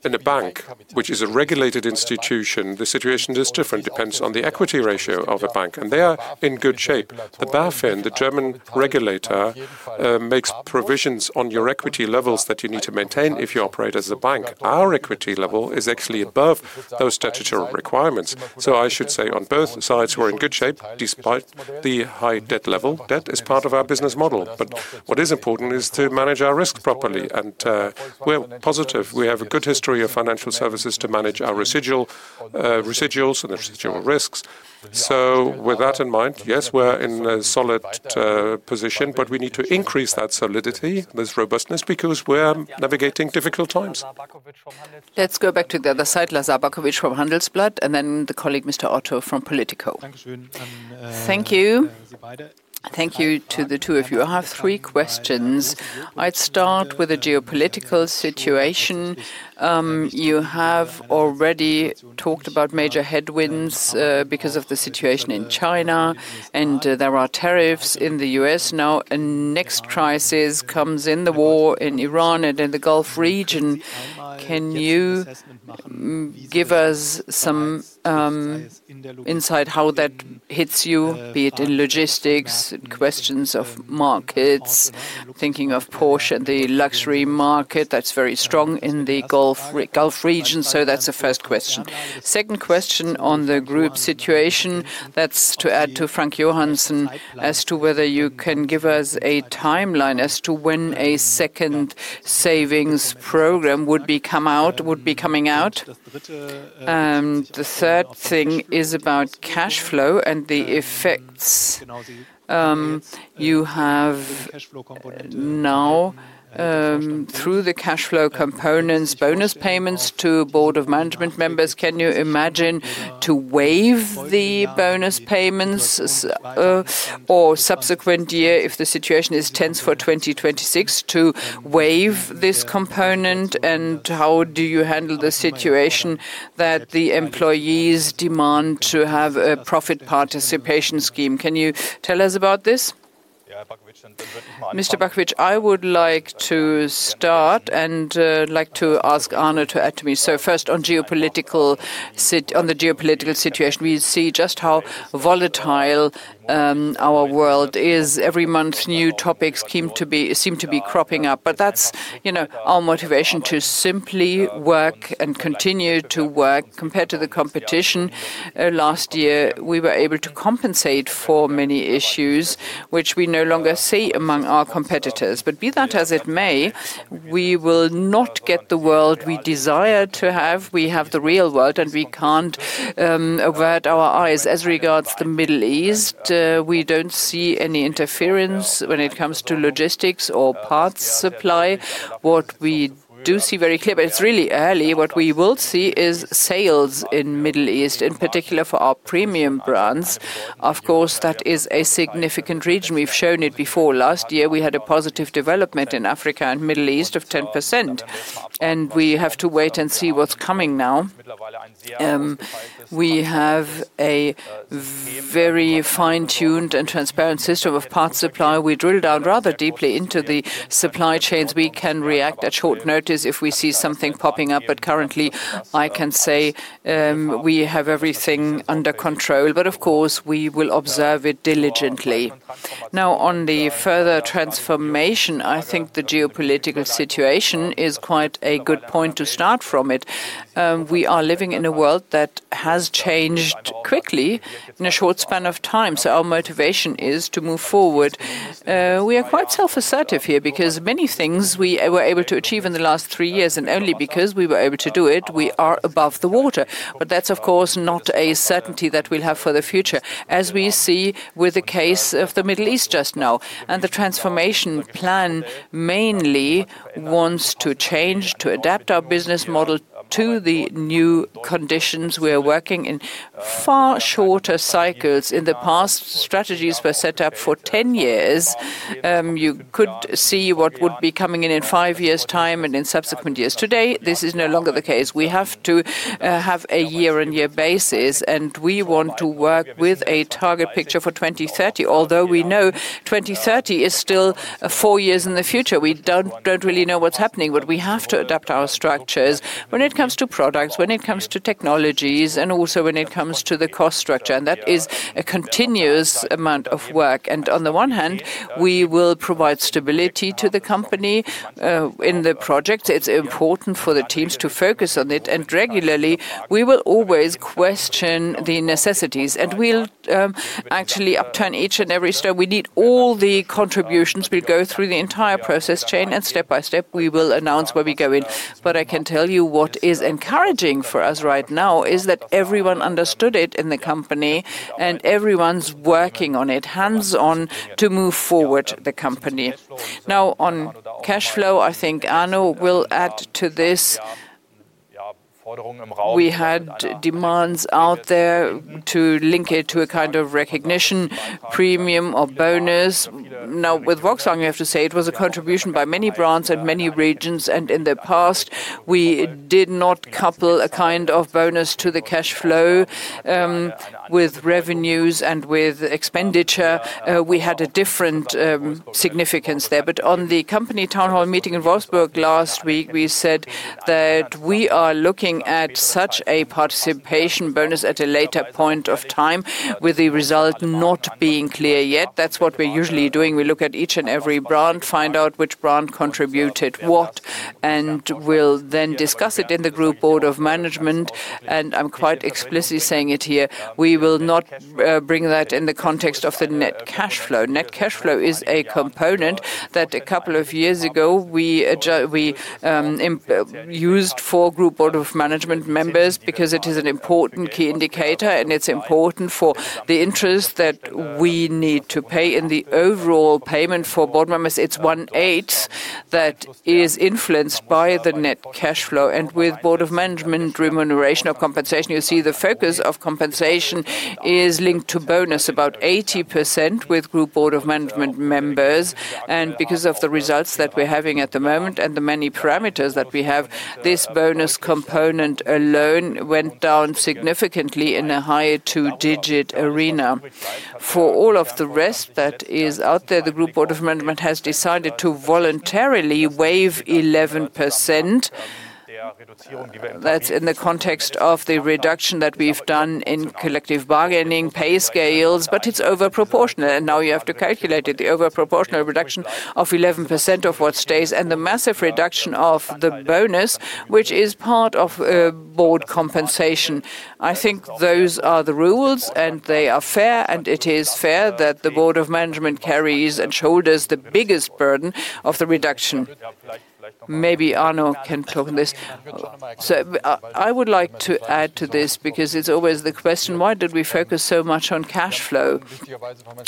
in a bank, which is a regulated institution, the situation is different, depends on the equity ratio of a bank, and they are in good shape. The BaFin, the German regulator, makes provisions on your equity levels that you need to maintain if you operate as a bank. Our equity level is actually above those statutory requirements. I should say on both sides, we're in good shape despite the high debt level. Debt is part of our business model. What is important is to manage our risk properly, and we're positive. We have a good history of financial services to manage our residuals and the residual risks. With that in mind, yes, we're in a solid position, but we need to increase that solidity, this robustness, because we're navigating difficult times. Let's go back to the other side, Lazar Bakovic from Handelsblatt, and then the colleague, Mr. Otter from Politico. Thank you. Thank you to the two of you. I have three questions. I'd start with the geopolitical situation. You have already talked about major headwinds, because of the situation in China, and there are tariffs in the US now. Next crisis comes in the war in Iran and in the Gulf region. Can you give us some insight how that hits you, be it in logistics, in questions of markets, thinking of Porsche, the luxury market that's very strong in the Gulf region. That's the first question. Second question on the group situation, that's to add to Frank Johannsen as to whether you can give us a timeline as to when a second savings program would be coming out. The third thing is about cash flow and the effects, you have now, through the cash flow components, bonus payments to board of management members. Can you imagine to waive the bonus payments or subsequent year if the situation is tense for 2026 to waive this component? And how do you handle the situation that the employees demand to have a profit participation scheme? Can you tell us about this? Mr. Bakovic, I would like to start and like to ask Arno to add to me. First, on the geopolitical situation, we see just how volatile our world is. Every month, new topics seem to be cropping up, but that's, you know, our motivation to simply work and continue to work. Compared to the competition, last year, we were able to compensate for many issues which we no longer see among our competitors. Be that as it may, we will not get the world we desire to have. We have the real world, and we can't avert our eyes. As regards to Middle East, we don't see any interference when it comes to logistics or parts supply. What we do see very clear, but it's really early, what we will see is sales in Middle East, in particular for our premium brands. Of course, that is a significant region. We've shown it before. Last year, we had a positive development in Africa and Middle East of 10%, and we have to wait and see what's coming now. We have a very fine-tuned and transparent system of parts supply. We drilled down rather deeply into the supply chains. We can react at short notice if we see something popping up. Currently, I can say, we have everything under control. Of course, we will observe it diligently. Now, on the further transformation, I think the geopolitical situation is quite a good point to start from it. We are living in a world that has changed quickly in a short span of time, so our motivation is to move forward. We are quite self-assertive here because many things we were able to achieve in the last three years, and only because we were able to do it, we are above the water. That's, of course, not a certainty that we'll have for the future, as we see with the case of the Middle East just now. The transformation plan mainly wants to change, to adapt our business model to the new conditions. We are working in far shorter cycles. In the past, strategies were set up for 10 years. You could see what would be coming in in 5 years' time and in subsequent years. Today, this is no longer the case. We have to have a year-on-year basis, and we want to work with a target picture for 2030, although we know 2030 is still 4 years in the future. We don't really know what's happening, but we have to adapt our structures when it comes to products, when it comes to technologies, and also when it comes to the cost structure. That is a continuous amount of work. On the one hand, we will provide stability to the company in the project. It's important for the teams to focus on it. Regularly, we will always question the necessities, and we'll actually upturn each and every stone. We need all the contributions. We go through the entire process chain, and step by step, we will announce where we go in. I can tell you what is encouraging for us right now is that everyone understood it in the company, and everyone's working on it, hands-on, to move forward the company. Now, on cash flow, I think Arno will add to this. We had demands out there to link it to a kind of recognition premium or bonus. Now, with Volkswagen, you have to say it was a contribution by many brands and many regions, and in the past, we did not couple a kind of bonus to the cash flow with revenues and with expenditure. We had a different significance there. On the company town hall meeting in Wolfsburg last week, we said that we are looking at such a participation bonus at a later point of time, with the result not being clear yet. That's what we're usually doing. We look at each and every brand, find out which brand contributed what, and we'll then discuss it in the group board of management. I'm quite explicitly saying it here, we will not bring that in the context of the net cash flow. Net cash flow is a component that a couple of years ago we used for group board of management members because it is an important key indicator, and it's important for the interest that we need to pay. In the overall payment for Board members, it's one-eighth that is influenced by the net cash flow. With Board of Management remuneration or compensation, you see the focus of compensation is linked to bonus, about 80% with Group Board of Management members. Because of the results that we're having at the moment and the many parameters that we have, this bonus component alone went down significantly in a high two-digit area. For all of the rest that is out there, the Group Board of Management has decided to voluntarily waive 11%. That's in the context of the reduction that we've done in collective bargaining, pay scales, but it's over proportional. Now you have to calculate it, the over proportional reduction of 11% of what stays and the massive reduction of the bonus, which is part of board compensation. I think those are the rules, and they are fair, and it is fair that the Board of Management carries and shoulders the biggest burden of the reduction. Maybe Arno can talk on this. I would like to add to this because it's always the question, why did we focus so much on cash flow?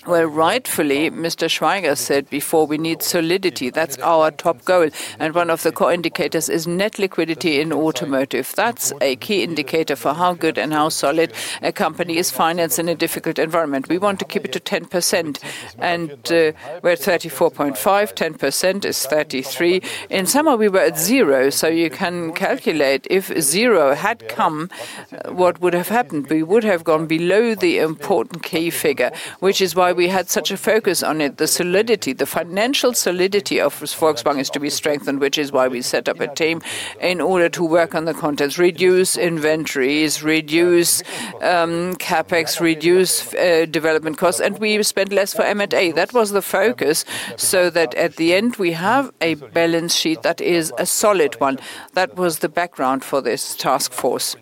Well, rightfully, Mr. Schweiger said before, we need solidity. That's our top goal. One of the core indicators is net liquidity in automotive. That's a key indicator for how good and how solid a company is financed in a difficult environment. We want to keep it to 10%. We're at 34.5, 10% is 33. In summer, we were at 0, so you can calculate if 0 had come, what would have happened. We would have gone below the important key figure, which is why we had such a focus on it. The solidity, the financial solidity of Volkswagen is to be strengthened, which is why we set up a team in order to work on the costs, reduce inventories, reduce CapEx, reduce development costs, and we spent less for M&A. That was the focus, so that at the end, we have a balance sheet that is a solid one. That was the background for this task force.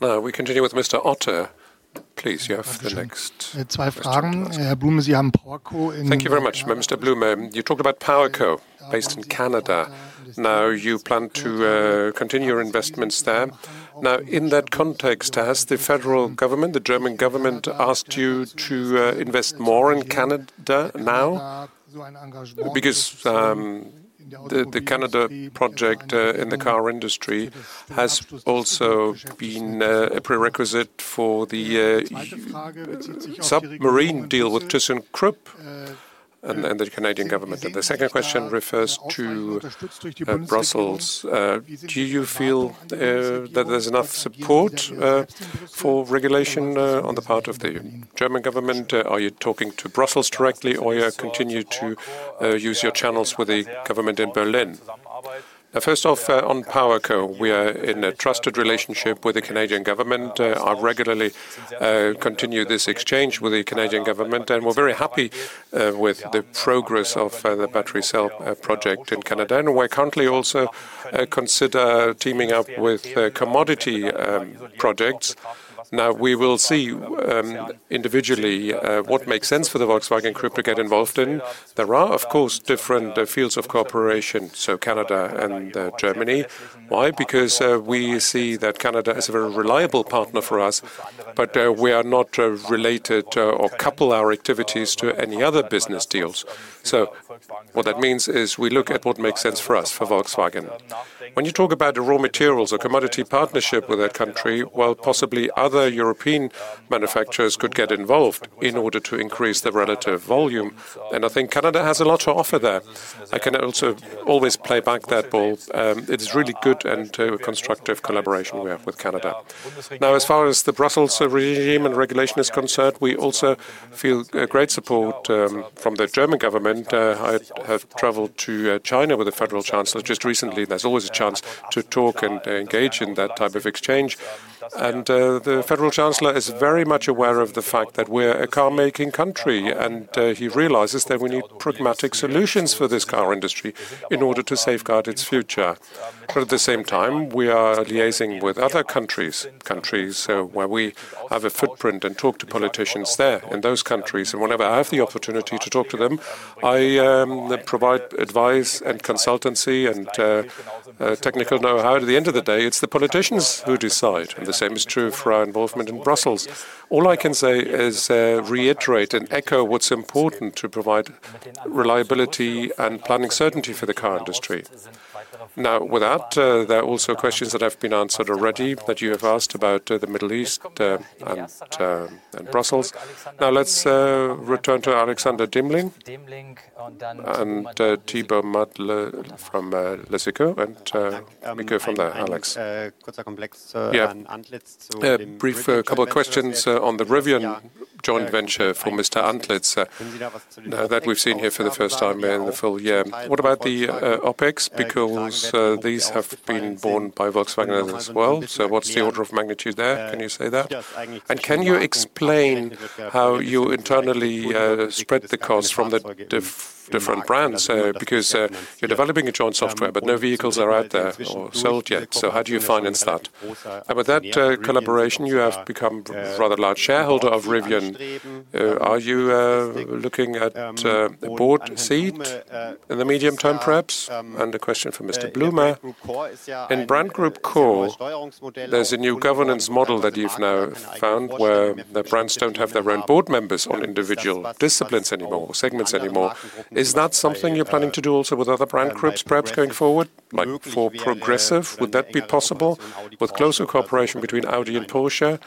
Now, we continue with Mr. Otter. Please, you have the next Thank you very much. Mr. Blume, you talked about PowerCo based in Canada. Now, you plan to continue your investments there. Now, in that context, has the federal government, the German government, asked you to invest more in Canada now? Because, the Canada project in the car industry has also been a prerequisite for the submarine deal with Thyssenkrupp and the Canadian government. The second question refers to Brussels. Do you feel that there's enough support for regulation on the part of the German government? Are you talking to Brussels directly, or you continue to use your channels with the government in Berlin? First off, on PowerCo, we are in a trusted relationship with the Canadian government. I regularly continue this exchange with the Canadian government, and we're very happy with the progress of the battery cell project in Canada. We currently also consider teaming up with commodity projects. Now, we will see individually what makes sense for the Volkswagen Group to get involved in. There are, of course, different fields of cooperation, so Canada and Germany. Why? Because we see that Canada is a very reliable partner for us, but we are not related to or couple our activities to any other business deals. What that means is we look at what makes sense for us, for Volkswagen. When you talk about the raw materials or commodity partnership with a country, well, possibly other European manufacturers could get involved in order to increase the relative volume. I think Canada has a lot to offer there. I can also always play ball. It is really good and constructive collaboration we have with Canada. Now, as far as the Brussels regime and regulation is concerned, we also feel great support from the German government. I have traveled to China with the federal chancellor just recently. There's always a chance to talk and engage in that type of exchange. The federal chancellor is very much aware of the fact that we're a car-making country, and he realizes that we need pragmatic solutions for this car industry in order to safeguard its future. At the same time, we are liaising with other countries where we have a footprint and talk to politicians there in those countries. Whenever I have the opportunity to talk to them, I provide advice and consultancy and technical know-how. At the end of the day, it's the politicians who decide, and the same is true for our involvement in Brussels. All I can say is reiterate and echo what's important to provide reliability and planning certainty for the car industry. Now, with that, there are also questions that have been answered already that you have asked about the Middle East and Brussels. Now, let's return to Alexander Demling and Thibaut Madelin from Les Échos, and we go from there, Alex. Yeah. A brief couple of questions on the Rivian joint venture from Mr. Antlitz that we've seen here for the first time in the full year. What about the OpEx? Because these have been borne by Volkswagen as well. What's the order of magnitude there? Can you say that? Can you explain how you internally spread the costs from the different brands? Because you're developing a joint software, but no vehicles are out there or sold yet. How do you finance that? With that collaboration, you have become a rather large shareholder of Rivian. Are you looking at a board seat in the medium term, perhaps?A question for Mr. Blume. In Brand Group Core, there's a new governance model that you've now found where the brands don't have their own board members on individual disciplines anymore, or segments anymore. Is that something you're planning to do also with other brand groups, perhaps going forward? Like for Progressive, would that be possible with closer cooperation between Audi and Porsche?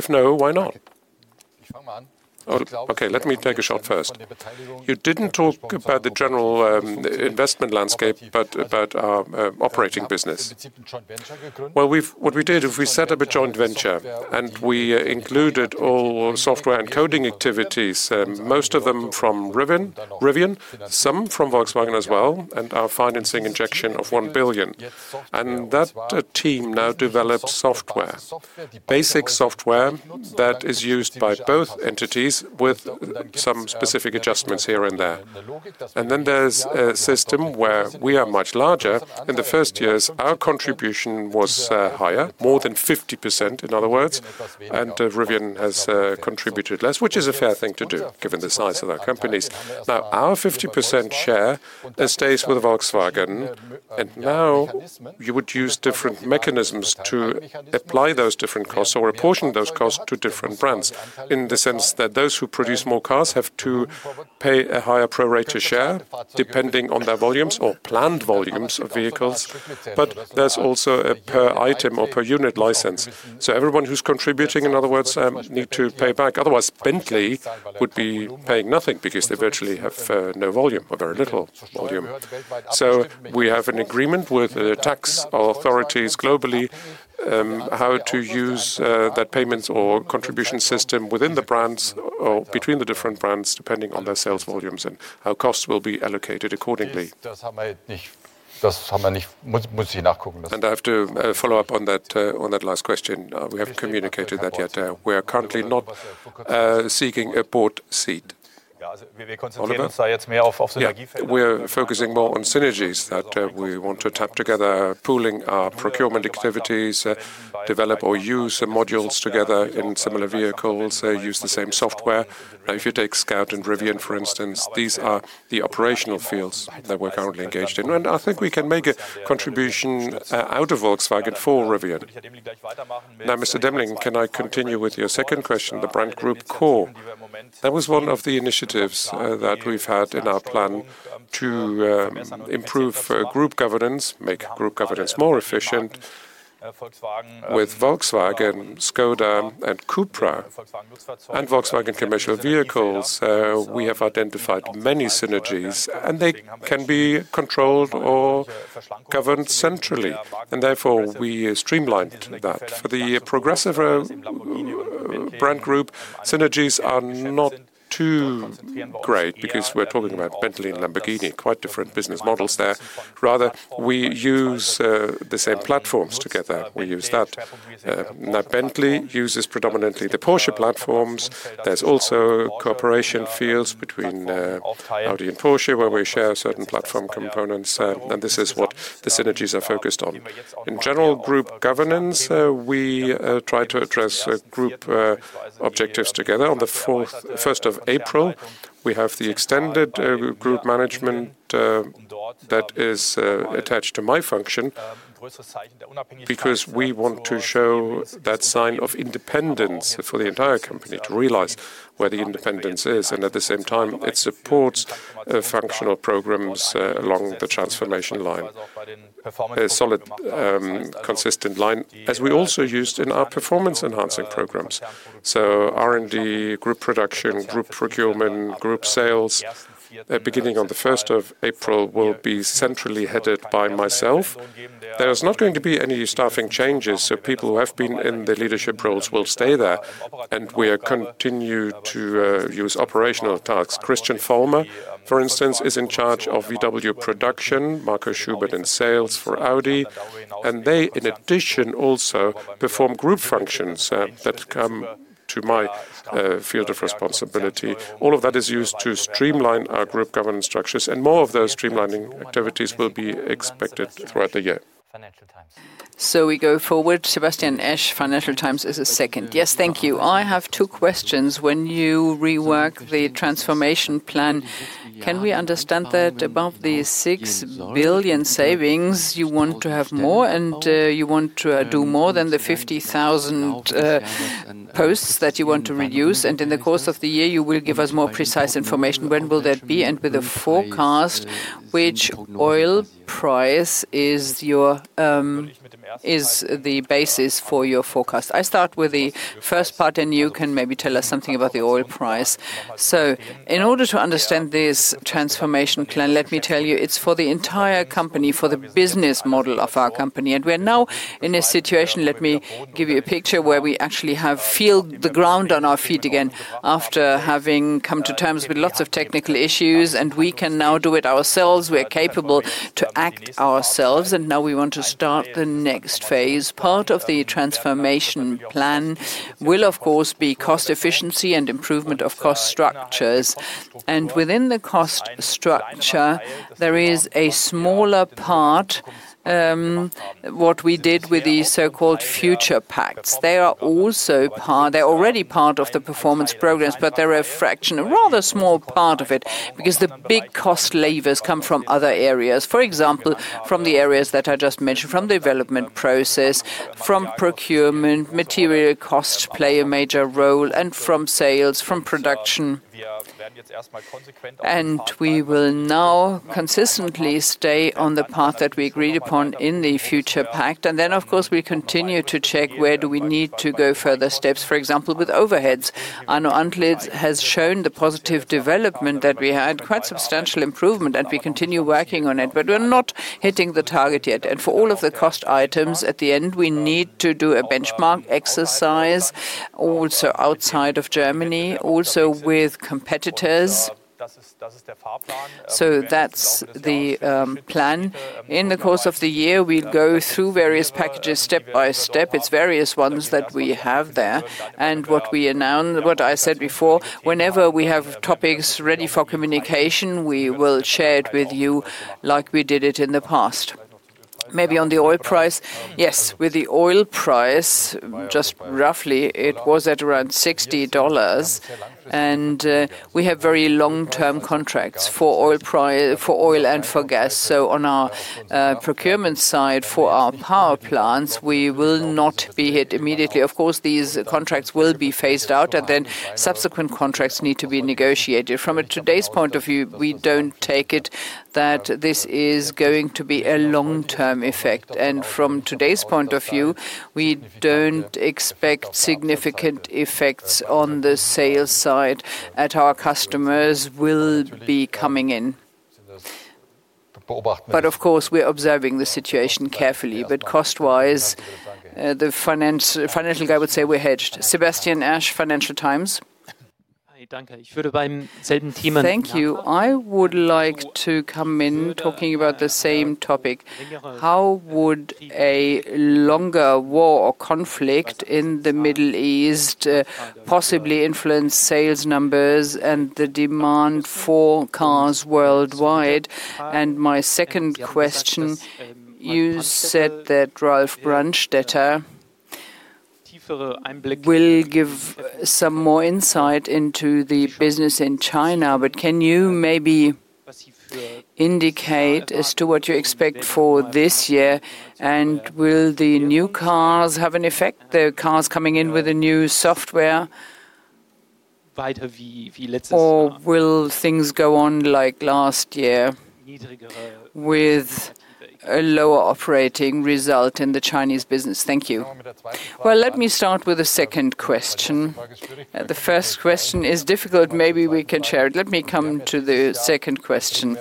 If no, why not? Okay, let me take a shot first. You didn't talk about the general investment landscape, but about our operating business. Well, what we did is we set up a joint venture, and we included all software and coding activities, most of them from Rivian, some from Volkswagen as well, and our financing injection of 1 billion. That team now develops software, basic software that is used by both entities with some specific adjustments here and there. Then there's a system where we are much larger. In the first years, our contribution was higher, more than 50%, in other words, and Rivian has contributed less, which is a fair thing to do given the size of our companies. Now, our 50% share stays with Volkswagen. Now you would use different mechanisms to apply those different costs or apportion those costs to different brands in the sense that those who produce more cars have to pay a higher pro rata share depending on their volumes or planned volumes of vehicles. There's also a per item or per unit license. Everyone who's contributing, in other words, need to pay back. Otherwise, Bentley would be paying nothing because they virtually have no volume or very little volume. We have an agreement with the tax authorities globally how to use those payments or contribution system within the brands or between the different brands, depending on their sales volumes and how costs will be allocated accordingly. I have to follow up on that last question. We haven't communicated that yet. We are currently not seeking a board seat. Oliver? Yeah. We're focusing more on synergies that we want to tap together, pooling our procurement activities, develop or use modules together in similar vehicles, use the same software. If you take Scout and Rivian, for instance, these are the operational fields that we're currently engaged in. I think we can make a contribution out of Volkswagen for Rivian. Now, Mr. Demling, can I continue with your second question, the Brand Group Core? That was one of the initiatives that we've had in our plan to improve group governance, make group governance more efficient. With Volkswagen, Škoda and Cupra and Volkswagen Commercial Vehicles, we have identified many synergies, and they can be controlled or governed centrally. Therefore, we streamlined that. For the Progressive brand group, synergies are not too great because we're talking about Bentley and Lamborghini, quite different business models there. Rather, we use the same platforms together. We use that. Now Bentley uses predominantly the Porsche platforms. There's also cooperation fields between Audi and Porsche, where we share certain platform components, and this is what the synergies are focused on. In general Group governance, we try to address Group objectives together. On the first of April, we have the extended Group management that is attached to my function because we want to show that sign of independence for the entire company to realize where the independence is. At the same time, it supports functional programs along the transformation line, a solid consistent line, as we also used in our performance-enhancing programs. R&D, group production, group procurement, group sales, beginning on the first of April, will be centrally headed by myself. There is not going to be any staffing changes, so people who have been in the leadership roles will stay there. We continue to use operational tasks. Christian Vollmer, for instance, is in charge of VW production, Marco Schubert in sales for Audi. They, in addition, also perform group functions that come to my field of responsibility. All of that is used to streamline our group governance structures, and more of those streamlining activities will be expected throughout the year. Financial Times. We go forward. Sebastian Ash, Financial Times, is second. Yes, thank you. I have two questions. When you rework the transformation plan, can we understand that above the 6 billion savings, you want to have more, and you want to do more than the 50,000 posts that you want to reduce? In the course of the year, you will give us more precise information. When will that be? And with a forecast, which oil price is your is the basis for your forecast? I start with the first part, and you can maybe tell us something about the oil price. In order to understand this transformation plan, let me tell you, it's for the entire company, for the business model of our company. We are now in a situation, let me give you a picture, where we actually have our feet on the ground again after having come to terms with lots of technical issues, and we can now do it ourselves. We are capable to act ourselves, and now we want to start the next phase. Part of the transformation plan will, of course, be cost efficiency and improvement of cost structures. Within the cost structure, there is a smaller part, what we did with the so-called future pacts. They're already part of the performance programs, but they're a fraction, a rather small part of it, because the big cost levers come from other areas. For example, from the areas that I just mentioned, from development process, from procurement, material costs play a major role, and from sales, from production. We will now consistently stay on the path that we agreed upon in the future pact. Then, of course, we continue to check where do we need to go further steps, for example, with overheads. Arno Antlitz has shown the positive development that we had, quite substantial improvement, and we continue working on it. We're not hitting the target yet. For all of the cost items, at the end, we need to do a benchmark exercise also outside of Germany, also with competitors. That's the plan. In the course of the year, we'll go through various packages step by step. It's various ones that we have there. What we announced, what I said before, whenever we have topics ready for communication, we will share it with you like we did it in the past. Maybe on the oil price. Yes, with the oil price, just roughly, it was at around $60, and we have very long-term contracts for oil and for gas. So on our procurement side for our power plants, we will not be hit immediately. Of course, these contracts will be phased out, and then subsequent contracts need to be negotiated. From today's point of view, we don't take it that this is going to be a long-term effect. From today's point of view, we don't expect significant effects on the sales side at our customers will be coming in. Of course, we're observing the situation carefully. Cost-wise, the financial guy would say we're hedged. Sebastien Ash, Financial Times. Thank you. I would like to come in talking about the same topic. How would a longer war or conflict in the Middle East possibly influence sales numbers and the demand for cars worldwide? My second question, you said that Ralf Brandstätter will give some more insight into the business in China. Can you maybe indicate as to what you expect for this year? Will the new cars have an effect, the cars coming in with the new software? Will things go on like last year with a lower operating result in the Chinese business? Thank you. Well, let me start with the second question. The first question is difficult. Maybe we can share it. Let me come to the second question.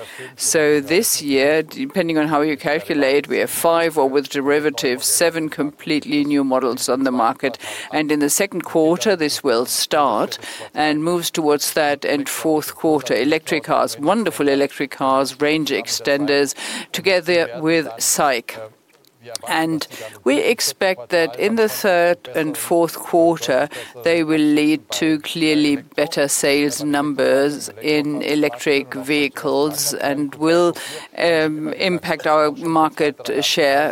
This year, depending on how you calculate, we have five or, with derivatives, seven completely new models on the market. In the second quarter, this will start and moves towards that and fourth quarter, electric cars, wonderful electric cars, range extenders, together with XPENG. We expect that in the third and fourth quarter, they will lead to clearly better sales numbers in electric vehicles and will impact our market share,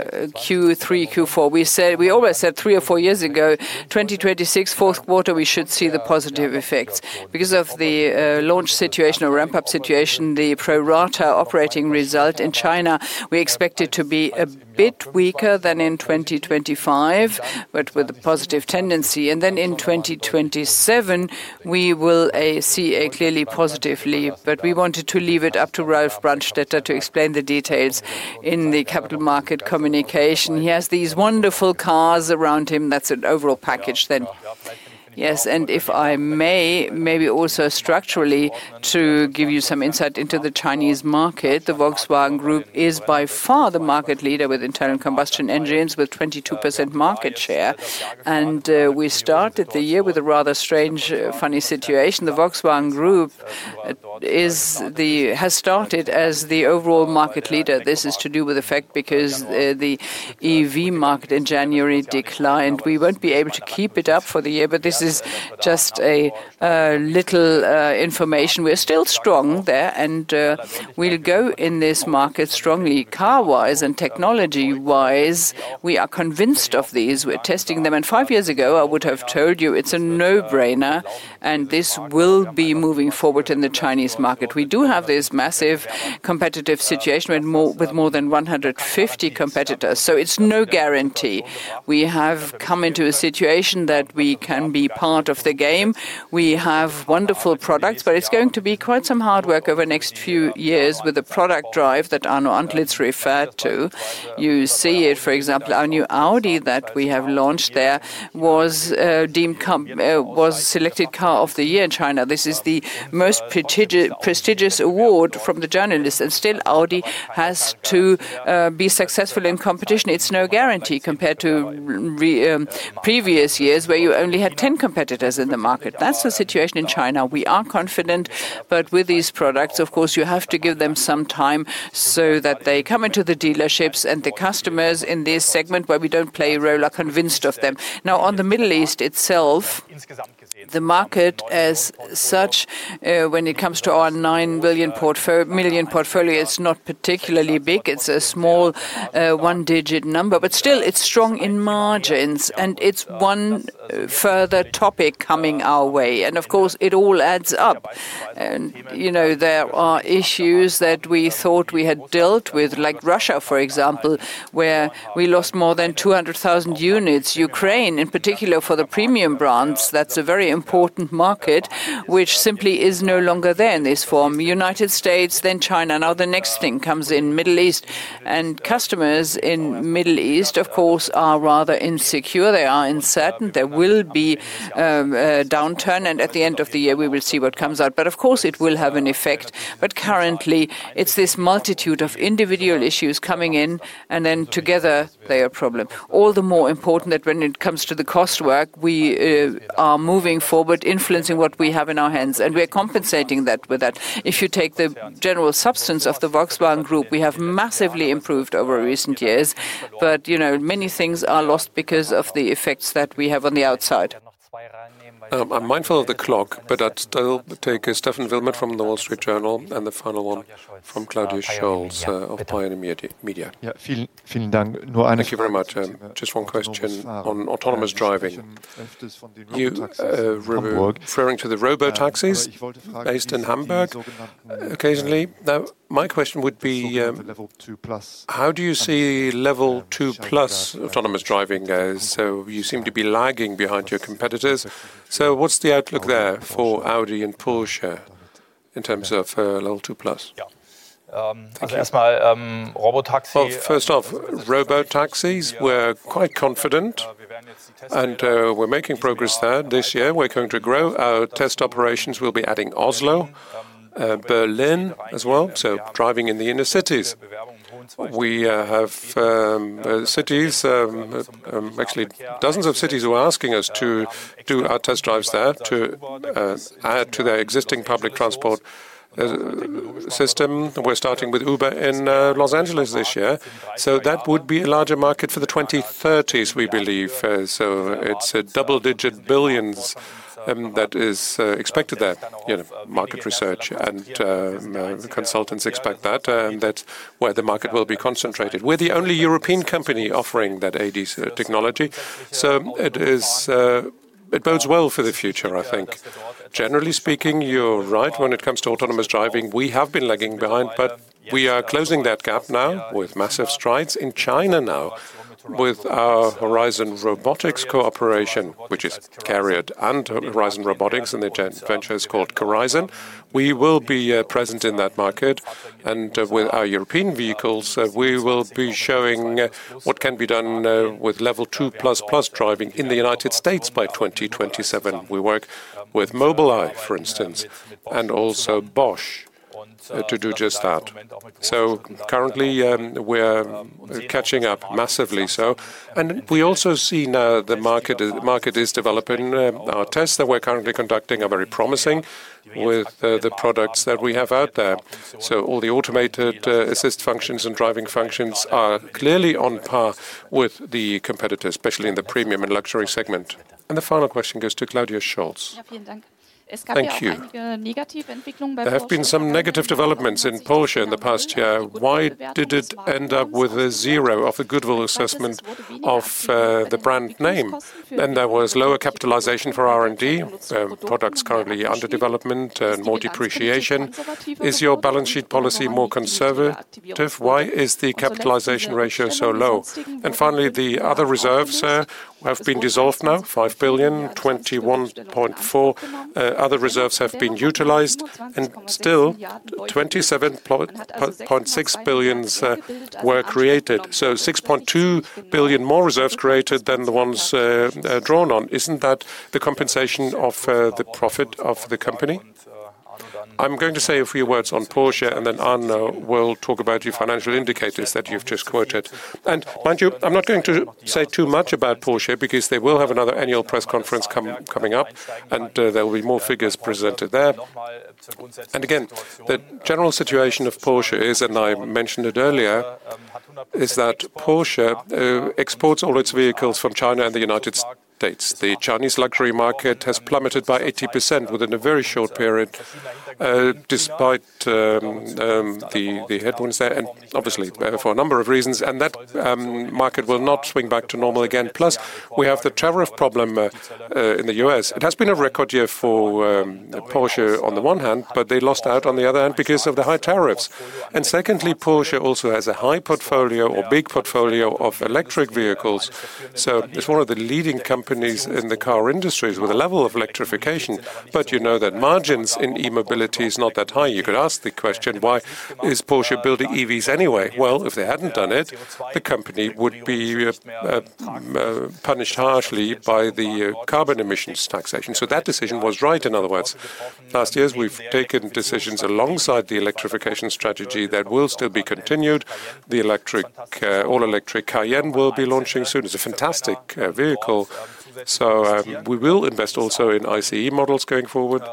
Q3, Q4. We said, we always said 3 or 4 years ago, 2026, fourth quarter, we should see the positive effects. Because of the launch situation or ramp-up situation, the pro rata operating result in China, we expect it to be a bit weaker than in 2025, but with a positive tendency. Then in 2027, we will see a clearly positive leap. But we wanted to leave it up to Ralf Brandstätter to explain the details in the capital market communication. He has these wonderful cars around him. That's an overall package then. Yes, if I may, maybe also structurally to give you some insight into the Chinese market, the Volkswagen Group is by far the market leader with internal combustion engines with 22% market share. We started the year with a rather strange, funny situation. The Volkswagen Group has started as the overall market leader. This is to do with the fact because the EV market in January declined. We won't be able to keep it up for the year, but this is just a little information. We're still strong there, and we'll go in this market strongly car-wise and technology-wise. We are convinced of these. We're testing them. Five years ago, I would have told you it's a no-brainer, and this will be moving forward in the Chinese market. We do have this massive competitive situation with more than 150 competitors, so it's no guarantee. We have come into a situation that we can be part of the game. We have wonderful products, but it's going to be quite some hard work over the next few years with the product drive that Arno Antlitz referred to. You see it, for example, our new Audi that we have launched there was selected Car of the Year in China. This is the most prestigious award from the journalists. Still, Audi has to be successful in competition. It's no guarantee compared to previous years, where you only had 10 competitors in the market. That's the situation in China. We are confident, but with these products, of course, you have to give them some time so that they come into the dealerships and the customers in this segment, where we don't play a role, are convinced of them. Now, on the Middle East itself, the market as such, when it comes to our 9 million portfolio, it's not particularly big. It's a small one-digit number, but still it's strong in margins, and it's one further topic coming our way. Of course, it all adds up. You know, there are issues that we thought we had dealt with, like Russia, for example, where we lost more than 200,000 units. Ukraine, in particular for the premium brands, that's a very important market which simply is no longer there in this form. United States, then China. Now the next thing comes in Middle East. Customers in Middle East, of course, are rather insecure. They are uncertain. There will be a downturn, and at the end of the year, we will see what comes out. Of course, it will have an effect. Currently, it's this multitude of individual issues coming in, and then together they're a problem. All the more important that when it comes to the cost work, we are moving forward, influencing what we have in our hands, and we are compensating that with that. If you take the general substance of the Volkswagen Group, we have massively improved over recent years, but, you know, many things are lost because of the effects that we have on the outside. I'm mindful of the clock, but I'd still take Stephen Wilmot from The Wall Street Journal and the final one from Claudia Scholz of The Pioneer. Thank you very much. Just one question on autonomous driving. You were referring to the robotaxis based in Hamburg occasionally. Now, my question would be, how do you see Level 2+ autonomous driving goes? You seem to be lagging behind your competitors. What's the outlook there for Audi and Porsche? In terms of Level 2+. Yeah. First of all, robotaxis, we're quite confident, and we're making progress there. This year, we're going to grow our test operations. We'll be adding Oslo, Berlin as well, so driving in the inner cities. We have actually dozens of cities who are asking us to do our test drives there to add to their existing public transport system. We're starting with Uber in Los Angeles this year. So that would be a larger market for the 2030s, we believe. So it's double-digit billions EUR that is expected there. You know, market research and consultants expect that, and that's where the market will be concentrated. We're the only European company offering that AD technology, so it bodes well for the future, I think. Generally speaking, you're right. When it comes to autonomous driving, we have been lagging behind, but we are closing that gap now with massive strides in China now with our Horizon Robotics cooperation, which is CARIAD and Horizon Robotics, and the joint venture is called CARIZON. We will be present in that market and with our European vehicles, we will be showing what can be done with Level 2++ driving in the United States by 2027. We work with Mobileye, for instance, and also Bosch to do just that. Currently, we're catching up massively so. We also see now the market is developing. Our tests that we're currently conducting are very promising with the products that we have out there. All the automated assist functions and driving functions are clearly on par with the competitors, especially in the premium and luxury segment. The final question goes to Claudia Scholz. Thank you. There have been some negative developments in Porsche in the past year. Why did it end up with a zero of the goodwill assessment of the brand name? There was lower capitalization for R&D, products currently under development, more depreciation. Is your balance sheet policy more conservative? Why is the capitalization ratio so low? Finally, the other reserves have been dissolved now, 5 billion, 21.4, other reserves have been utilized and still 27.6 billion were created. Six point two billion more reserves created than the ones drawn on. Isn't that the compensation of the profit of the company? I'm going to say a few words on Porsche, and then Arno will talk about your financial indicators that you've just quoted. Mind you, I'm not going to say too much about Porsche because they will have another annual press conference coming up, and there will be more figures presented there. Again, the general situation of Porsche is, and I mentioned it earlier, is that Porsche exports all its vehicles from China and the United States. The Chinese luxury market has plummeted by 80% within a very short period, despite the headwinds there and obviously for a number of reasons. That market will not swing back to normal again. Plus, we have the tariff problem in the U.S. It has been a record year for Porsche on the one hand, but they lost out on the other hand because of the high tariffs. Secondly, Porsche also has a high portfolio or big portfolio of electric vehicles, so it's one of the leading companies in the car industries with a level of electrification. You know that margins in e-mobility is not that high. You could ask the question, why is Porsche building EVs anyway? Well, if they hadn't done it, the company would be punished harshly by the carbon emissions taxation. That decision was right, in other words. Last years, we've taken decisions alongside the electrification strategy that will still be continued. The all-electric Cayenne will be launching soon. It's a fantastic vehicle. We will invest also in ICE models going forward.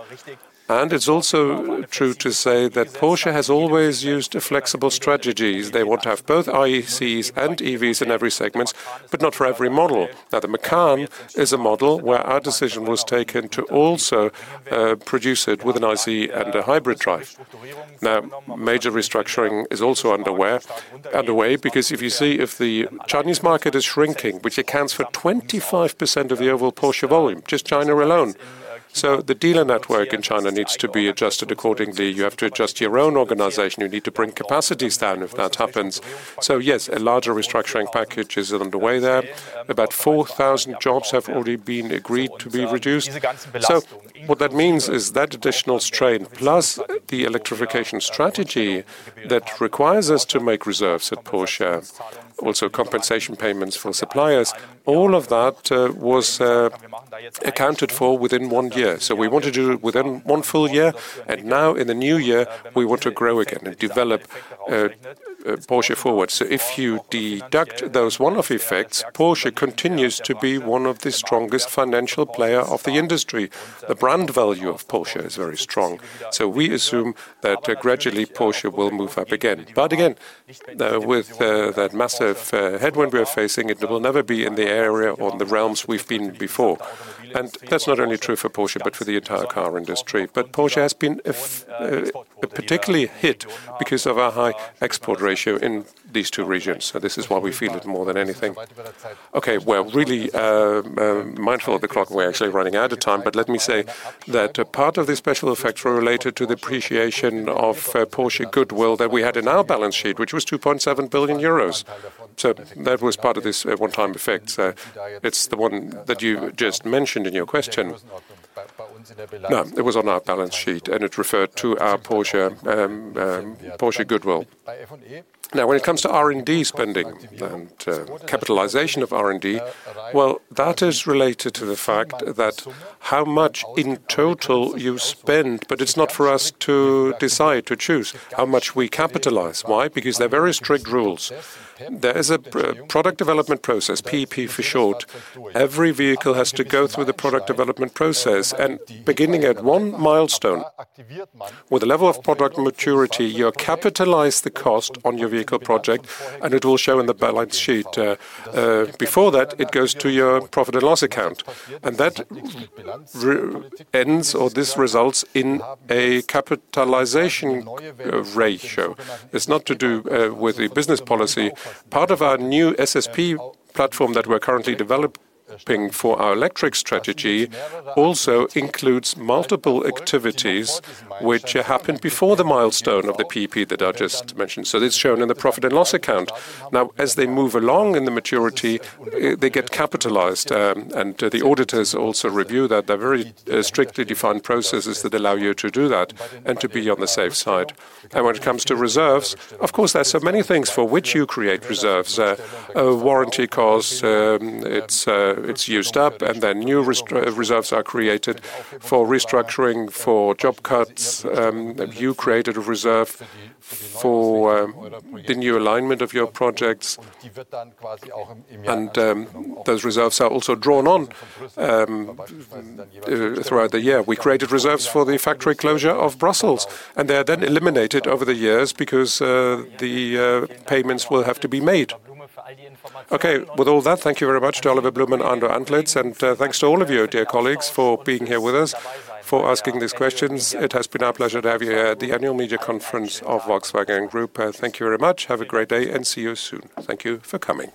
It's also true to say that Porsche has always used flexible strategies. They want to have both ICEs and EVs in every segment, but not for every model. Now, the Macan is a model where our decision was taken to also produce it with an ICE and a hybrid drive. Now, major restructuring is also underway because if you see if the Chinese market is shrinking, which accounts for 25% of the overall Porsche volume, just China alone. The dealer network in China needs to be adjusted accordingly. You have to adjust your own organization. You need to bring capacities down if that happens. Yes, a larger restructuring package is underway there. About 4,000 jobs have already been agreed to be reduced. What that means is that additional strain plus the electrification strategy that requires us to make reserves at Porsche, also compensation payments for suppliers, all of that, was accounted for within one year. We want to do it within one full year, and now in the new year, we want to grow again and develop Porsche forward. If you deduct those one-off effects, Porsche continues to be one of the strongest financial player of the industry. The brand value of Porsche is very strong. We assume that gradually Porsche will move up again. Again, with that massive headwind we are facing, it will never be in the area or the realms we've been before. That's not only true for Porsche, but for the entire car industry. Porsche has been particularly hit because of our high export ratio in these two regions. This is why we feel it more than anything. Okay. We're really mindful of the clock. We're actually running out of time. Let me say that a part of the special effects were related to the appreciation of Porsche goodwill that we had in our balance sheet, which was 2.7 billion euros. That was part of this one-time effect. It's the one that you just mentioned in your question. No, it was on our balance sheet, and it referred to our Porsche goodwill. Now, when it comes to R&D spending and capitalization of R&D, well, that is related to the fact that how much in total you spend, but it's not for us to decide, to choose how much we capitalize. Why? Because there are very strict rules. There is a product development process, PDP for short. Every vehicle has to go through the product development process. Beginning at one milestone, with the level of product maturity, you capitalize the cost on your vehicle project and it will show in the balance sheet. Before that, it goes to your profit and loss account. This results in a capitalization ratio. It's not to do with the business policy. Part of our new SSP platform that we're currently developing for our electric strategy also includes multiple activities which happen before the milestone of the PDP that I just mentioned. It's shown in the profit and loss account. Now, as they move along in the maturity, they get capitalized, and the auditors also review that. They're very strictly defined processes that allow you to do that and to be on the safe side. When it comes to reserves, of course, there are so many things for which you create reserves. A warranty cost, it's used up, and then new reserves are created for restructuring, for job cuts. You created a reserve for the new alignment of your projects. Those reserves are also drawn on throughout the year. We created reserves for the factory closure of Brussels, and they are then eliminated over the years because the payments will have to be made. Okay. With all that, thank you very much to Oliver Blume and Arno Antlitz. Thanks to all of you, dear colleagues, for being here with us, for asking these questions. It has been our pleasure to have you here at the annual media conference of Volkswagen Group. Thank you very much. Have a great day and see you soon. Thank you for coming.